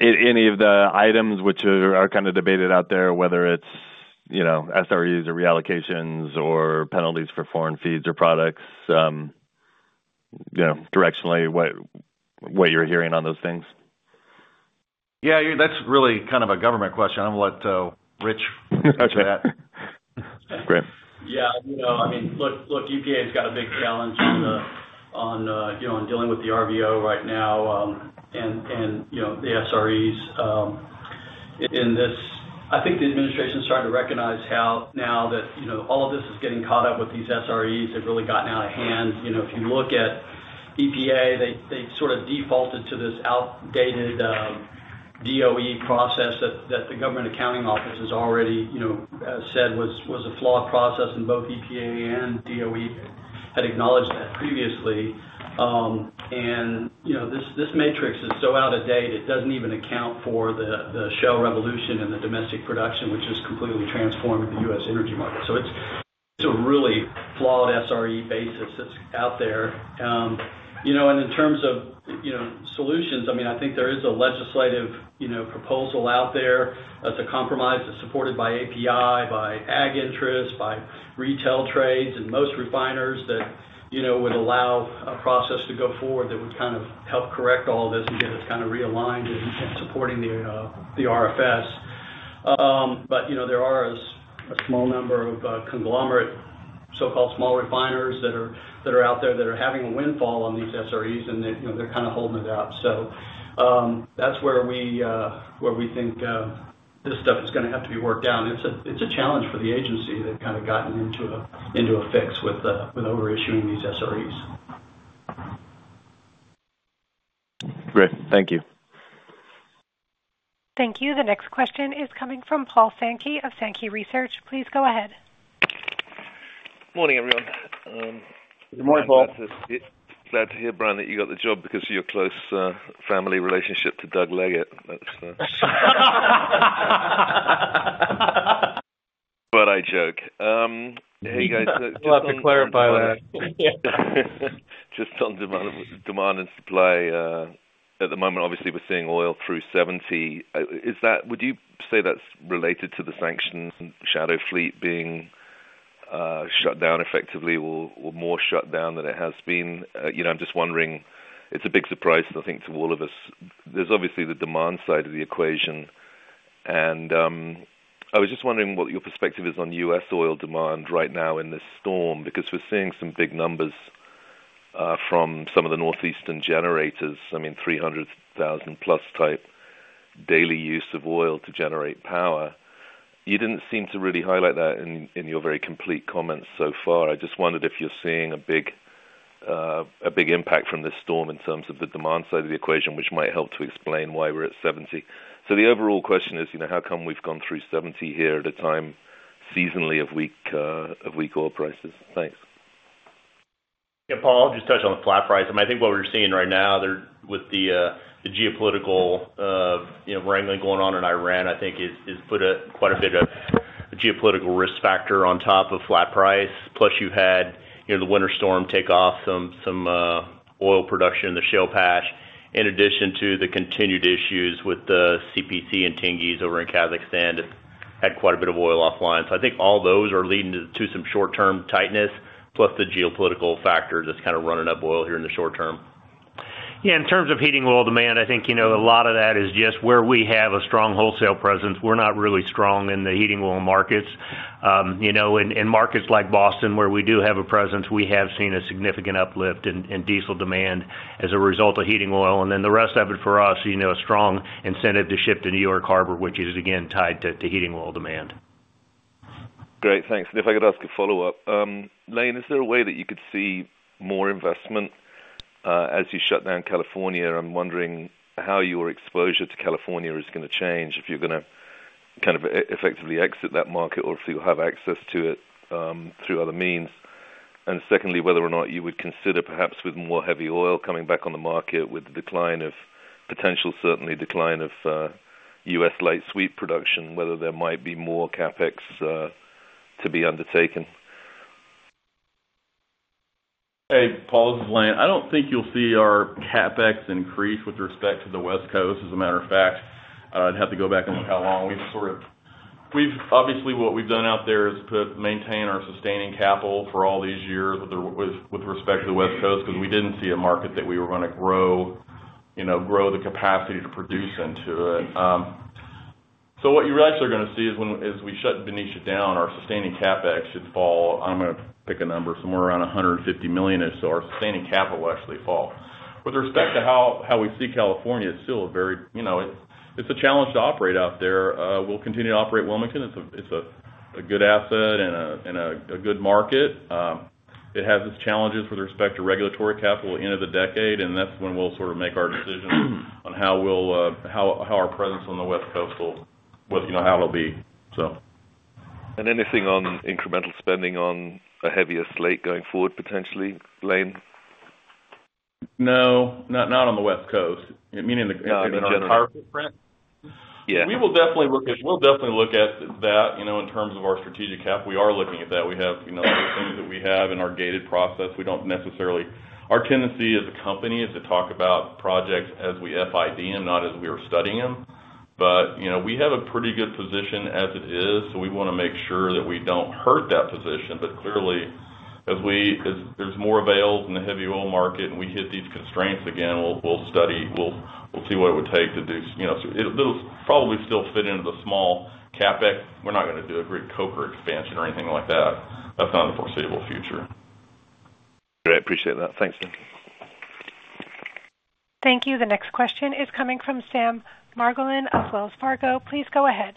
items which are kind of debated out there, whether it's SREs or reallocations or penalties for foreign feeds or products, directionally, what you're hearing on those things? Yeah, that's really kind of a government question. I'm going to let Rich answer that. Great. Yeah. I mean, look, UK has got a big challenge on dealing with the RVO right now and the SREs. And I think the administration is starting to recognize how now that all of this is getting caught up with these SREs, they've really gotten out of hand. If you look at EPA, they sort of defaulted to this outdated DOE process that the government accounting office has already said was a flawed process, and both EPA and DOE had acknowledged that previously. And this matrix is so out of date, it doesn't even account for the shale revolution and the domestic production, which has completely transformed the U.S. energy market. So it's a really flawed SRE basis that's out there. In terms of solutions, I mean, I think there is a legislative proposal out there that's a compromise that's supported by API, by ag interests, by retail trades and most refiners that would allow a process to go forward that would kind of help correct all of this and get us kind of realigned and supporting the RFS. But there are a small number of conglomerate, so-called small refiners that are out there that are having a windfall on these SREs, and they're kind of holding it up. So that's where we think this stuff is going to have to be worked out. It's a challenge for the agency that kind of gotten into a fix with overissuing these SREs. Great. Thank you. Thank you. The next question is coming from Paul Sankey of Sankey Research. Please go ahead. Morning, everyone. Good morning, Paul. Glad to hear, Brian, that you got the job because of your close family relationship to Doug Leggate. But I joke. Hey, guys. I'll have to clarify that. Just on demand and supply, at the moment, obviously, we're seeing oil through $70. Would you say that's related to the sanctioned shadow fleet being shut down effectively or more shut down than it has been? I'm just wondering. It's a big surprise, I think, to all of us. There's obviously the demand side of the equation. I was just wondering what your perspective is on U.S. oil demand right now in this storm because we're seeing some big numbers from some of the northeastern generators, I mean, 300,000+ type daily use of oil to generate power. You didn't seem to really highlight that in your very complete comments so far. I just wondered if you're seeing a big impact from this storm in terms of the demand side of the equation, which might help to explain why we're at $70. The overall question is, how come we've gone through 70 here at a time seasonally of weak oil prices? Thanks. Yeah, Paul, I'll just touch on the flat price. I mean, I think what we're seeing right now with the geopolitical wrangling going on in Iran, I think, has put quite a bit of geopolitical risk factor on top of flat price. Plus, you had the winter storm take off some oil production in the shale patch, in addition to the continued issues with the CPC and Tengiz over in Kazakhstan that had quite a bit of oil offline. So I think all those are leading to some short-term tightness, plus the geopolitical factor that's kind of running up oil here in the short term. Yeah. In terms of heating oil demand, I think a lot of that is just where we have a strong wholesale presence. We're not really strong in the heating oil markets. In markets like Boston, where we do have a presence, we have seen a significant uplift in diesel demand as a result of heating oil. And then the rest of it for us, a strong incentive to shift to New York Harbor, which is, again, tied to heating oil demand. Great. Thanks. If I could ask a follow-up, Lane, is there a way that you could see more investment as you shut down California? I'm wondering how your exposure to California is going to change if you're going to kind of effectively exit that market or if you'll have access to it through other means. And secondly, whether or not you would consider perhaps with more heavy oil coming back on the market with the decline of potential, certainly decline of U.S. light sweet production, whether there might be more CapEx to be undertaken. Hey, Paul, Lane, I don't think you'll see our CapEx increase with respect to the West Coast, as a matter of fact. I'd have to go back and look how long we've sort of obviously, what we've done out there is maintain our sustaining capital for all these years with respect to the West Coast because we didn't see a market that we were going to grow the capacity to produce into it. So what you're actually going to see is when we shut Benicia down, our sustaining CapEx should fall. I'm going to pick a number, somewhere around $150 million or so. Our sustaining capital will actually fall. With respect to how we see California is still a very it's a challenge to operate out there. We'll continue to operate Wilmington. It's a good asset and a good market. It has its challenges with respect to regulatory capital at the end of the decade, and that's when we'll sort of make our decision on how our presence on the West Coast will, how it'll be, so. Anything on incremental spending on a heavier slate going forward, potentially, Lane? No, not on the West Coast. Meaning the. Not in general. Power footprint? Yeah. We will definitely look at that in terms of our strategic cap. We are looking at that. We have other things that we have in our gated process. We don't necessarily—our tendency as a company is to talk about projects as we FID them, not as we are studying them. But we have a pretty good position as it is, so we want to make sure that we don't hurt that position. But clearly, as there's more available in the heavy oil market and we hit these constraints again, we'll study. We'll see what it would take to do. It'll probably still fit into the small CapEx. We're not going to do a great coker expansion or anything like that. That's not a foreseeable future. Great. Appreciate that. Thanks, Tim. Thank you. The next question is coming from Sam Margolin of Wells Fargo. Please go ahead.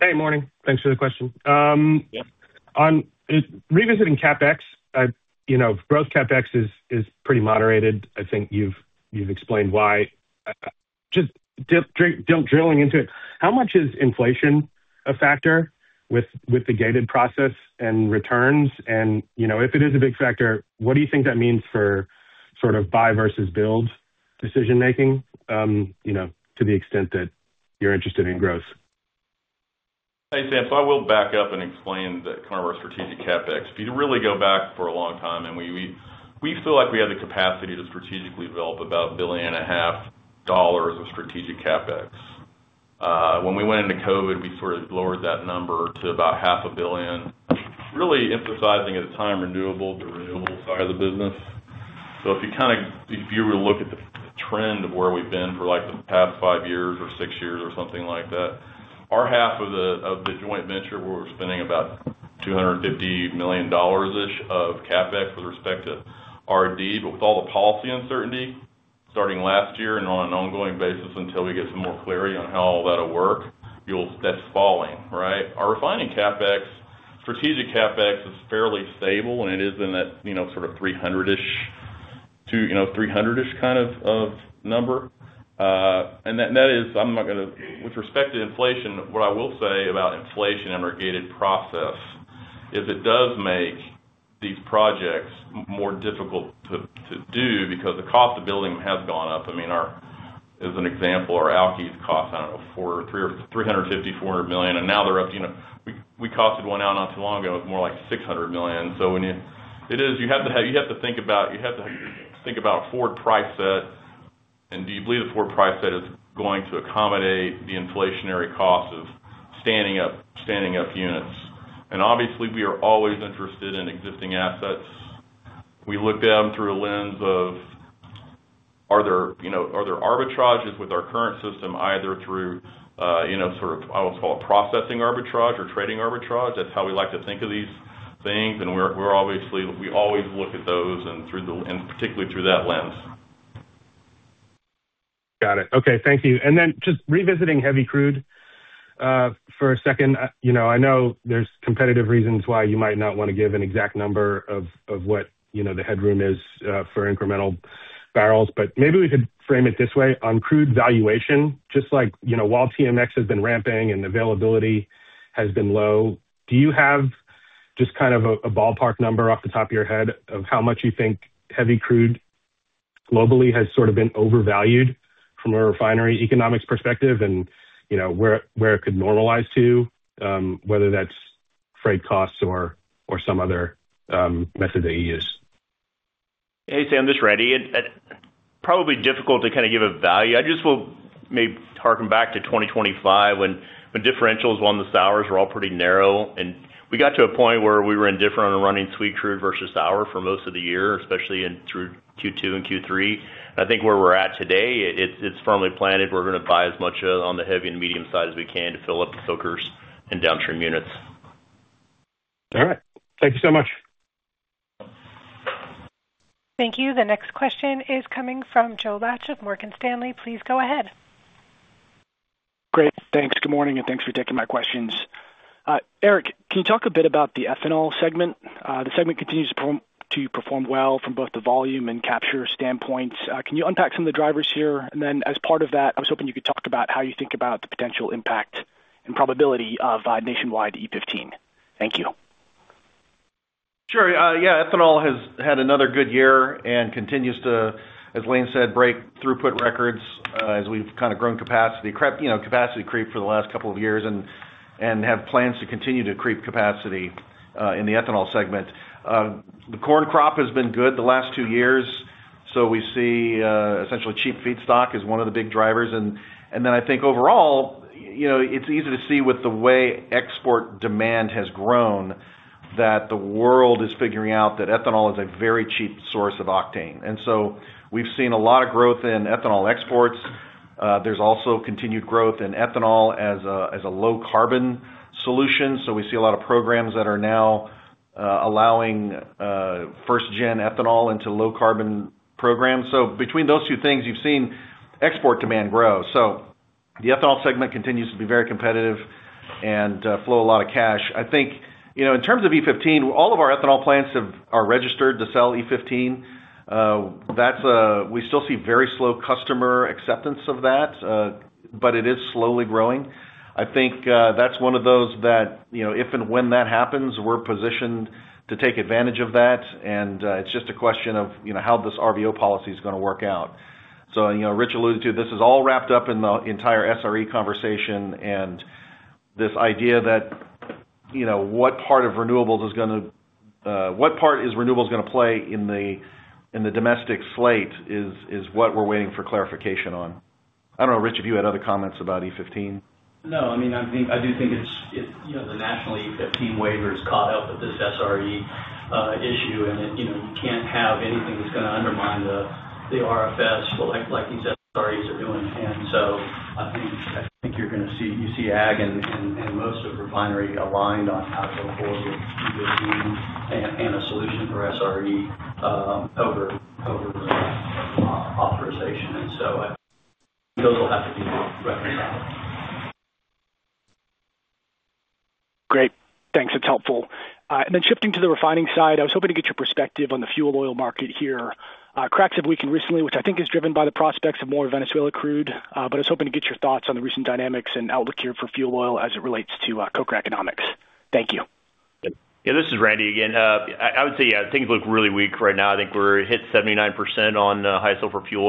Hey, morning. Thanks for the question. Revisiting CapEx, growth CapEx is pretty moderated. I think you've explained why. Just drilling into it, how much is inflation a factor with the gated process and returns? And if it is a big factor, what do you think that means for sort of buy versus build decision-making to the extent that you're interested in growth? Thanks, Sam. So I will back up and explain kind of our strategic CapEx. If you really go back for a long time, and we feel like we had the capacity to strategically develop about $1.5 billion of strategic CapEx. When we went into COVID, we sort of lowered that number to about $500 million, really emphasizing at the time renewable, the renewable side of the business. So if you kind of view or look at the trend of where we've been for the past 5 years or 6 years or something like that, our half of the joint venture, we're spending about $250 million-ish of CapEx with respect to R&D. But with all the policy uncertainty starting last year and on an ongoing basis until we get some more clarity on how all that'll work, that's falling, right? Our refining CapEx, strategic CapEx is fairly stable, and it is in that sort of 300-ish, 300-ish kind of number. And that is, I'm not going to with respect to inflation, what I will say about inflation in our gated process is it does make these projects more difficult to do because the cost of building them has gone up. I mean, as an example, our alkys cost, I don't know, $350-$400 million, and now they're up to we costed one out not too long ago with more like $600 million. So it is you have to think about you have to think about a forward price set, and do you believe the forward price set is going to accommodate the inflationary cost of standing up units? And obviously, we are always interested in existing assets. We look at them through a lens of, are there arbitrages with our current system, either through sort of I always call it processing arbitrage or trading arbitrage? That's how we like to think of these things. We always look at those and particularly through that lens. Got it. Okay. Thank you. And then just revisiting heavy crude for a second. I know there's competitive reasons why you might not want to give an exact number of what the headroom is for incremental barrels, but maybe we could frame it this way. On crude valuation, just like while TMX has been ramping and availability has been low, do you have just kind of a ballpark number off the top of your head of how much you think heavy crude globally has sort of been overvalued from a refinery economics perspective and where it could normalize to, whether that's freight costs or some other method that you use? Hey, Sam, this is Randy. It's probably difficult to kind of give a value. I just will maybe harken back to 2025 when differentials on the sours were all pretty narrow. And we got to a point where we were indifferent on running sweet crude versus sour for most of the year, especially through Q2 and Q3. I think where we're at today, it's firmly planted. We're going to buy as much on the heavy and medium side as we can to fill up the filters and downstream units. All right. Thank you so much. Thank you. The next question is coming from Joe Laetsch of Morgan Stanley. Please go ahead. Great. Thanks. Good morning, and thanks for taking my questions. Eric, can you talk a bit about the ethanol segment? The segment continues to perform well from both the volume and capture standpoints. Can you unpack some of the drivers here? And then as part of that, I was hoping you could talk about how you think about the potential impact and probability of nationwide E15. Thank you. Sure. Yeah. Ethanol has had another good year and continues to, as Lane said, break throughput records as we've kind of grown capacity creep for the last couple of years and have plans to continue to creep capacity in the ethanol segment. The corn crop has been good the last two years, so we see essentially cheap feedstock as one of the big drivers. And then I think overall, it's easy to see with the way export demand has grown that the world is figuring out that ethanol is a very cheap source of octane. And so we've seen a lot of growth in ethanol exports. There's also continued growth in ethanol as a low-carbon solution. So we see a lot of programs that are now allowing first-gen ethanol into low-carbon programs. So between those two things, you've seen export demand grow. So the ethanol segment continues to be very competitive and flow a lot of cash. I think in terms of E15, all of our ethanol plants are registered to sell E15. We still see very slow customer acceptance of that, but it is slowly growing. I think that's one of those that if and when that happens, we're positioned to take advantage of that. And it's just a question of how this RVO policy is going to work out. So Rich alluded to, this is all wrapped up in the entire SRE conversation. And this idea that what part of renewables is going to what part is renewables going to play in the domestic slate is what we're waiting for clarification on. I don't know, Rich, if you had other comments about E15? No. I mean, I do think the national E15 waiver has caught up with this SRE issue, and you can't have anything that's going to undermine the RFS like these SREs are doing. And so I think you're going to see Ag and most of refinery aligned on how to go forward with E15 and a solution for SRE over authorization. And so those will have to be reconciled. Great. Thanks. It's helpful. And then shifting to the refining side, I was hoping to get your perspective on the fuel oil market here. Cracks we've seen recently, which I think is driven by the prospects of more Venezuela crude, but I was hoping to get your thoughts on the recent dynamics and outlook here for fuel oil as it relates to coker economics. Thank you. Yeah. This is Randy again. I would say, yeah, things look really weak right now. I think we're hit 79% on high-sulfur fuel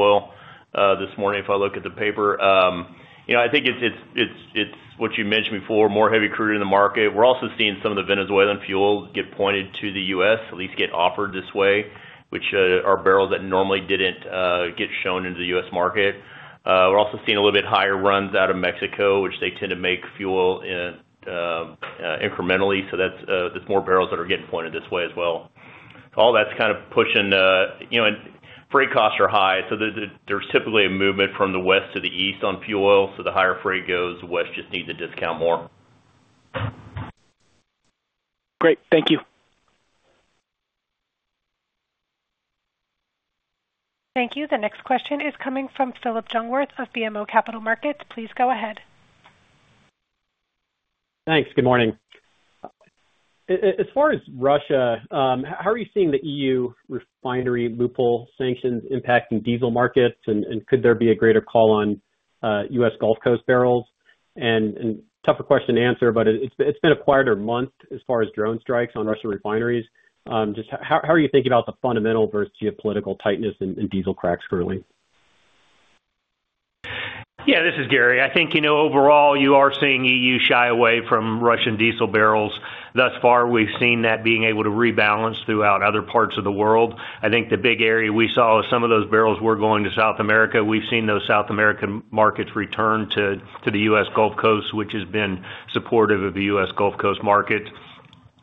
oil this morning if I look at the paper. I think it's what you mentioned before, more heavy crude in the market. We're also seeing some of the Venezuelan fuel get pointed to the U.S., at least get offered this way, which are barrels that normally didn't get shown into the U.S. market. We're also seeing a little bit higher runs out of Mexico, which they tend to make fuel incrementally. So that's more barrels that are getting pointed this way as well. So all that's kind of pushing; freight costs are high. So there's typically a movement from the west to the east on fuel oil. So the higher freight goes, the west just needs to discount more. Great. Thank you. Thank you. The next question is coming from Philip Jungwirth of BMO Capital Markets. Please go ahead. Thanks. Good morning. As far as Russia, how are you seeing the E.U. refinery loophole sanctions impacting diesel markets, and could there be a greater call on U.S. Gulf Coast barrels? And tougher question to answer, but it's been a quieter month as far as drone strikes on Russian refineries. Just how are you thinking about the fundamental versus geopolitical tightness and diesel cracks growing? Yeah. This is Gary. I think overall, you are seeing EU shy away from Russian diesel barrels. Thus far, we've seen that being able to rebalance throughout other parts of the world. I think the big area we saw was some of those barrels were going to South America. We've seen those South American markets return to the U.S. Gulf Coast, which has been supportive of the U.S. Gulf Coast market.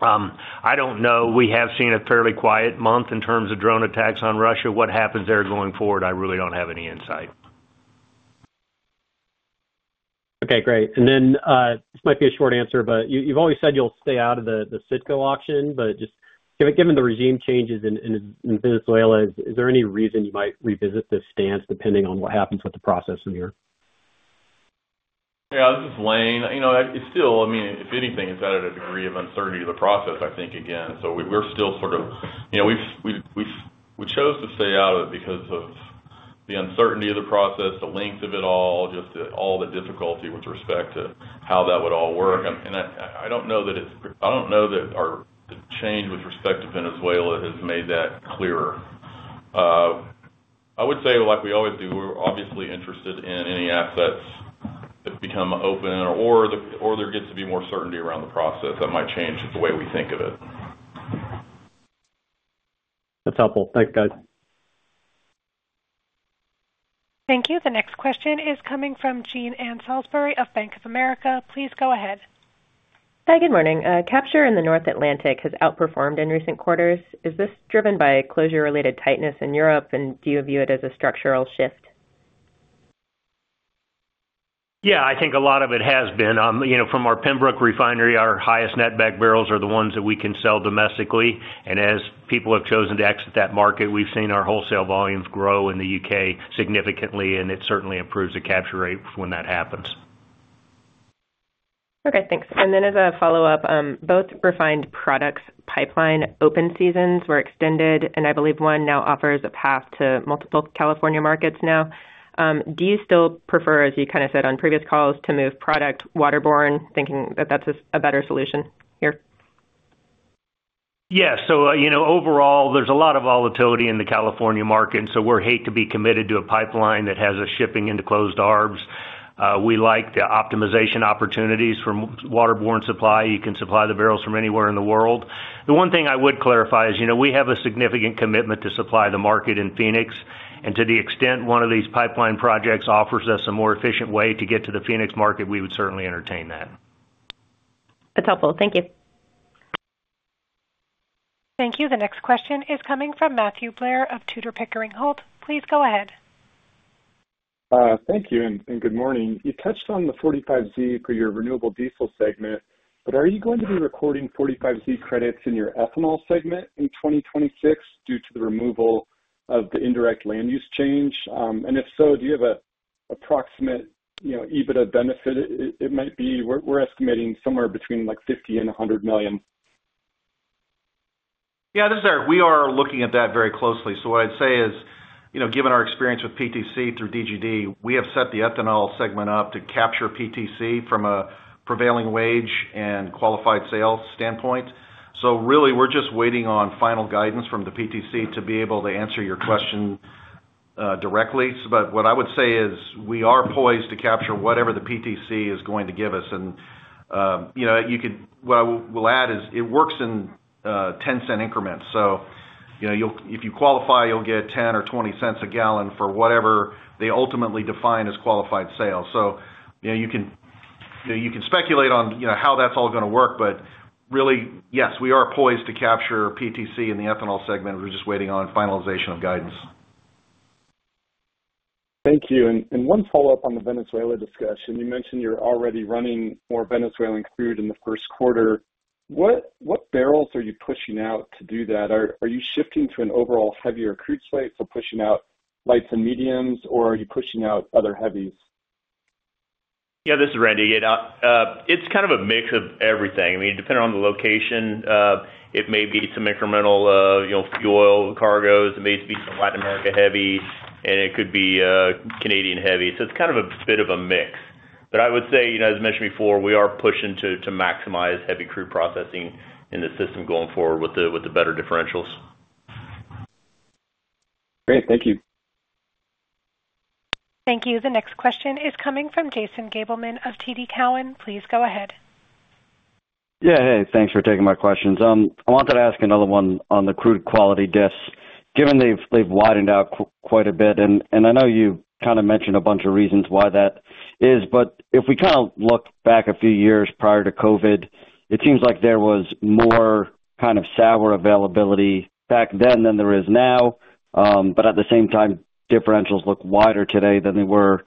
I don't know. We have seen a fairly quiet month in terms of drone attacks on Russia. What happens there going forward? I really don't have any insight. Okay. Great. And then this might be a short answer, but you've always said you'll stay out of the CITGO auction. But just given the regime changes in Venezuela, is there any reason you might revisit this stance depending on what happens with the process in here? Yeah. This is Lane. It's still, I mean, if anything, it's at a degree of uncertainty to the process, I think, again. So we're still sort of we chose to stay out of it because of the uncertainty of the process, the length of it all, just all the difficulty with respect to how that would all work. And I don't know that it's I don't know that the change with respect to Venezuela has made that clearer. I would say, like we always do, we're obviously interested in any assets that become open or there gets to be more certainty around the process. That might change the way we think of it. That's helpful. Thanks, guys. Thank you. The next question is coming from Jean Ann Salisbury of Bank of America. Please go ahead. Hi. Good morning. Capture in the North Atlantic has outperformed in recent quarters. Is this driven by closure-related tightness in Europe, and do you view it as a structural shift? Yeah. I think a lot of it has been. From our Pembroke Refinery, our highest Netback barrels are the ones that we can sell domestically. As people have chosen to exit that market, we've seen our wholesale volumes grow in the UK significantly, and it certainly improves the Capture Rate when that happens. Okay. Thanks. And then as a follow-up, both refined products' pipeline open seasons were extended, and I believe one now offers a path to multiple California markets now. Do you still prefer, as you kind of said on previous calls, to move product waterborne, thinking that that's a better solution here? Yeah. So overall, there's a lot of volatility in the California market. So we hate to be committed to a pipeline that has a shipping into closed arms. We like the optimization opportunities for waterborne supply. You can supply the barrels from anywhere in the world. The one thing I would clarify is we have a significant commitment to supply the market in Phoenix. And to the extent one of these pipeline projects offers us a more efficient way to get to the Phoenix market, we would certainly entertain that. That's helpful. Thank you. Thank you. The next question is coming from Matthew Blair of Tudor Pickering Holt. Please go ahead. Thank you. Good morning. You touched on the 45Z for your renewable diesel segment, but are you going to be recording 45Z credits in your ethanol segment in 2026 due to the removal of the indirect land use change? And if so, do you have an approximate EBITDA benefit it might be? We're estimating somewhere between $50 million and $100 million. Yeah. This is Eric. We are looking at that very closely. So what I'd say is, given our experience with PTC through DGD, we have set the ethanol segment up to capture PTC from a prevailing wage and qualified sales standpoint. So really, we're just waiting on final guidance from the PTC to be able to answer your question directly. But what I would say is we are poised to capture whatever the PTC is going to give us. And what I will add is it works in $0.10 increments. So if you qualify, you'll get $0.10 or $0.20 a gallon for whatever they ultimately define as qualified sales. So you can speculate on how that's all going to work, but really, yes, we are poised to capture PTC in the ethanol segment. We're just waiting on finalization of guidance. Thank you. One follow-up on the Venezuela discussion. You mentioned you're already running more Venezuelan crude in the first quarter. What barrels are you pushing out to do that? Are you shifting to an overall heavier crude slate? So pushing out lights and mediums, or are you pushing out other heavies? Yeah. This is Randy. It's kind of a mix of everything. I mean, depending on the location, it may be some incremental fuel cargoes. It may be some Latin America heavy, and it could be Canadian heavy. So it's kind of a bit of a mix. But I would say, as mentioned before, we are pushing to maximize heavy crude processing in the system going forward with the better differentials. Great. Thank you. Thank you. The next question is coming from Jason Gabelman of TD Cowen. Please go ahead. Yeah. Hey. Thanks for taking my questions. I wanted to ask another one on the crude quality discounts. Given they've widened out quite a bit, and I know you kind of mentioned a bunch of reasons why that is, but if we kind of look back a few years prior to COVID, it seems like there was more kind of sour availability back then than there is now. But at the same time, differentials look wider today than they were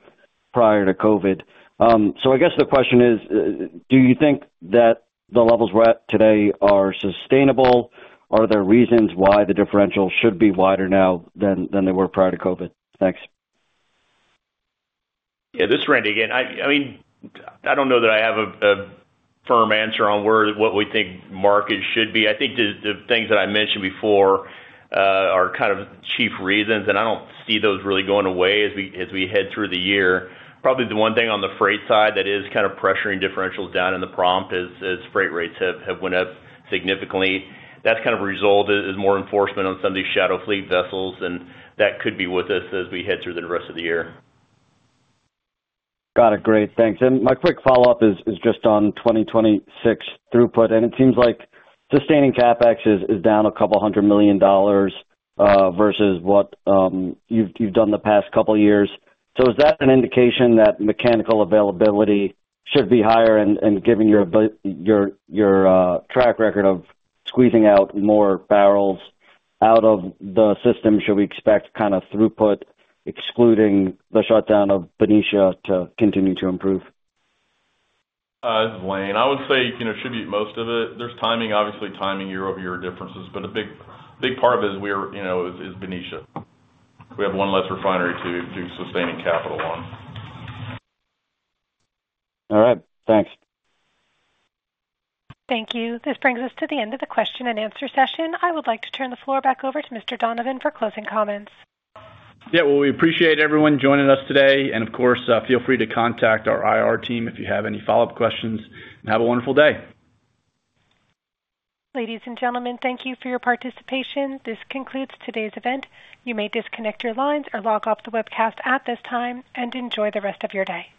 prior to COVID. So I guess the question is, do you think that the levels we're at today are sustainable? Are there reasons why the differentials should be wider now than they were prior to COVID? Thanks. Yeah. This is Randy again. I mean, I don't know that I have a firm answer on what we think markets should be. I think the things that I mentioned before are kind of chief reasons, and I don't see those really going away as we head through the year. Probably the one thing on the freight side that is kind of pressuring differentials down in the prompt is freight rates have went up significantly. That's kind of a result is more enforcement on some of these shadow fleet vessels, and that could be with us as we head through the rest of the year. Got it. Great. Thanks. And my quick follow-up is just on 2026 throughput. And it seems like sustaining CapEx is down $200 million versus what you've done the past couple of years. So is that an indication that mechanical availability should be higher? And given your track record of squeezing out more barrels out of the system, should we expect kind of throughput, excluding the shutdown of Benicia, to continue to improve? This is Lane. I would say it should be most of it. There's timing, obviously timing year-over-year differences, but a big part of it is Benicia. We have one less refinery to sustain capital on. All right. Thanks. Thank you. This brings us to the end of the question and answer session. I would like to turn the floor back over to Mr. Bhullar for closing comments. Yeah. Well, we appreciate everyone joining us today. And of course, feel free to contact our IR team if you have any follow-up questions. Have a wonderful day. Ladies and gentlemen, thank you for your participation. This concludes today's event. You may disconnect your lines or log off the webcast at this time and enjoy the rest of your day.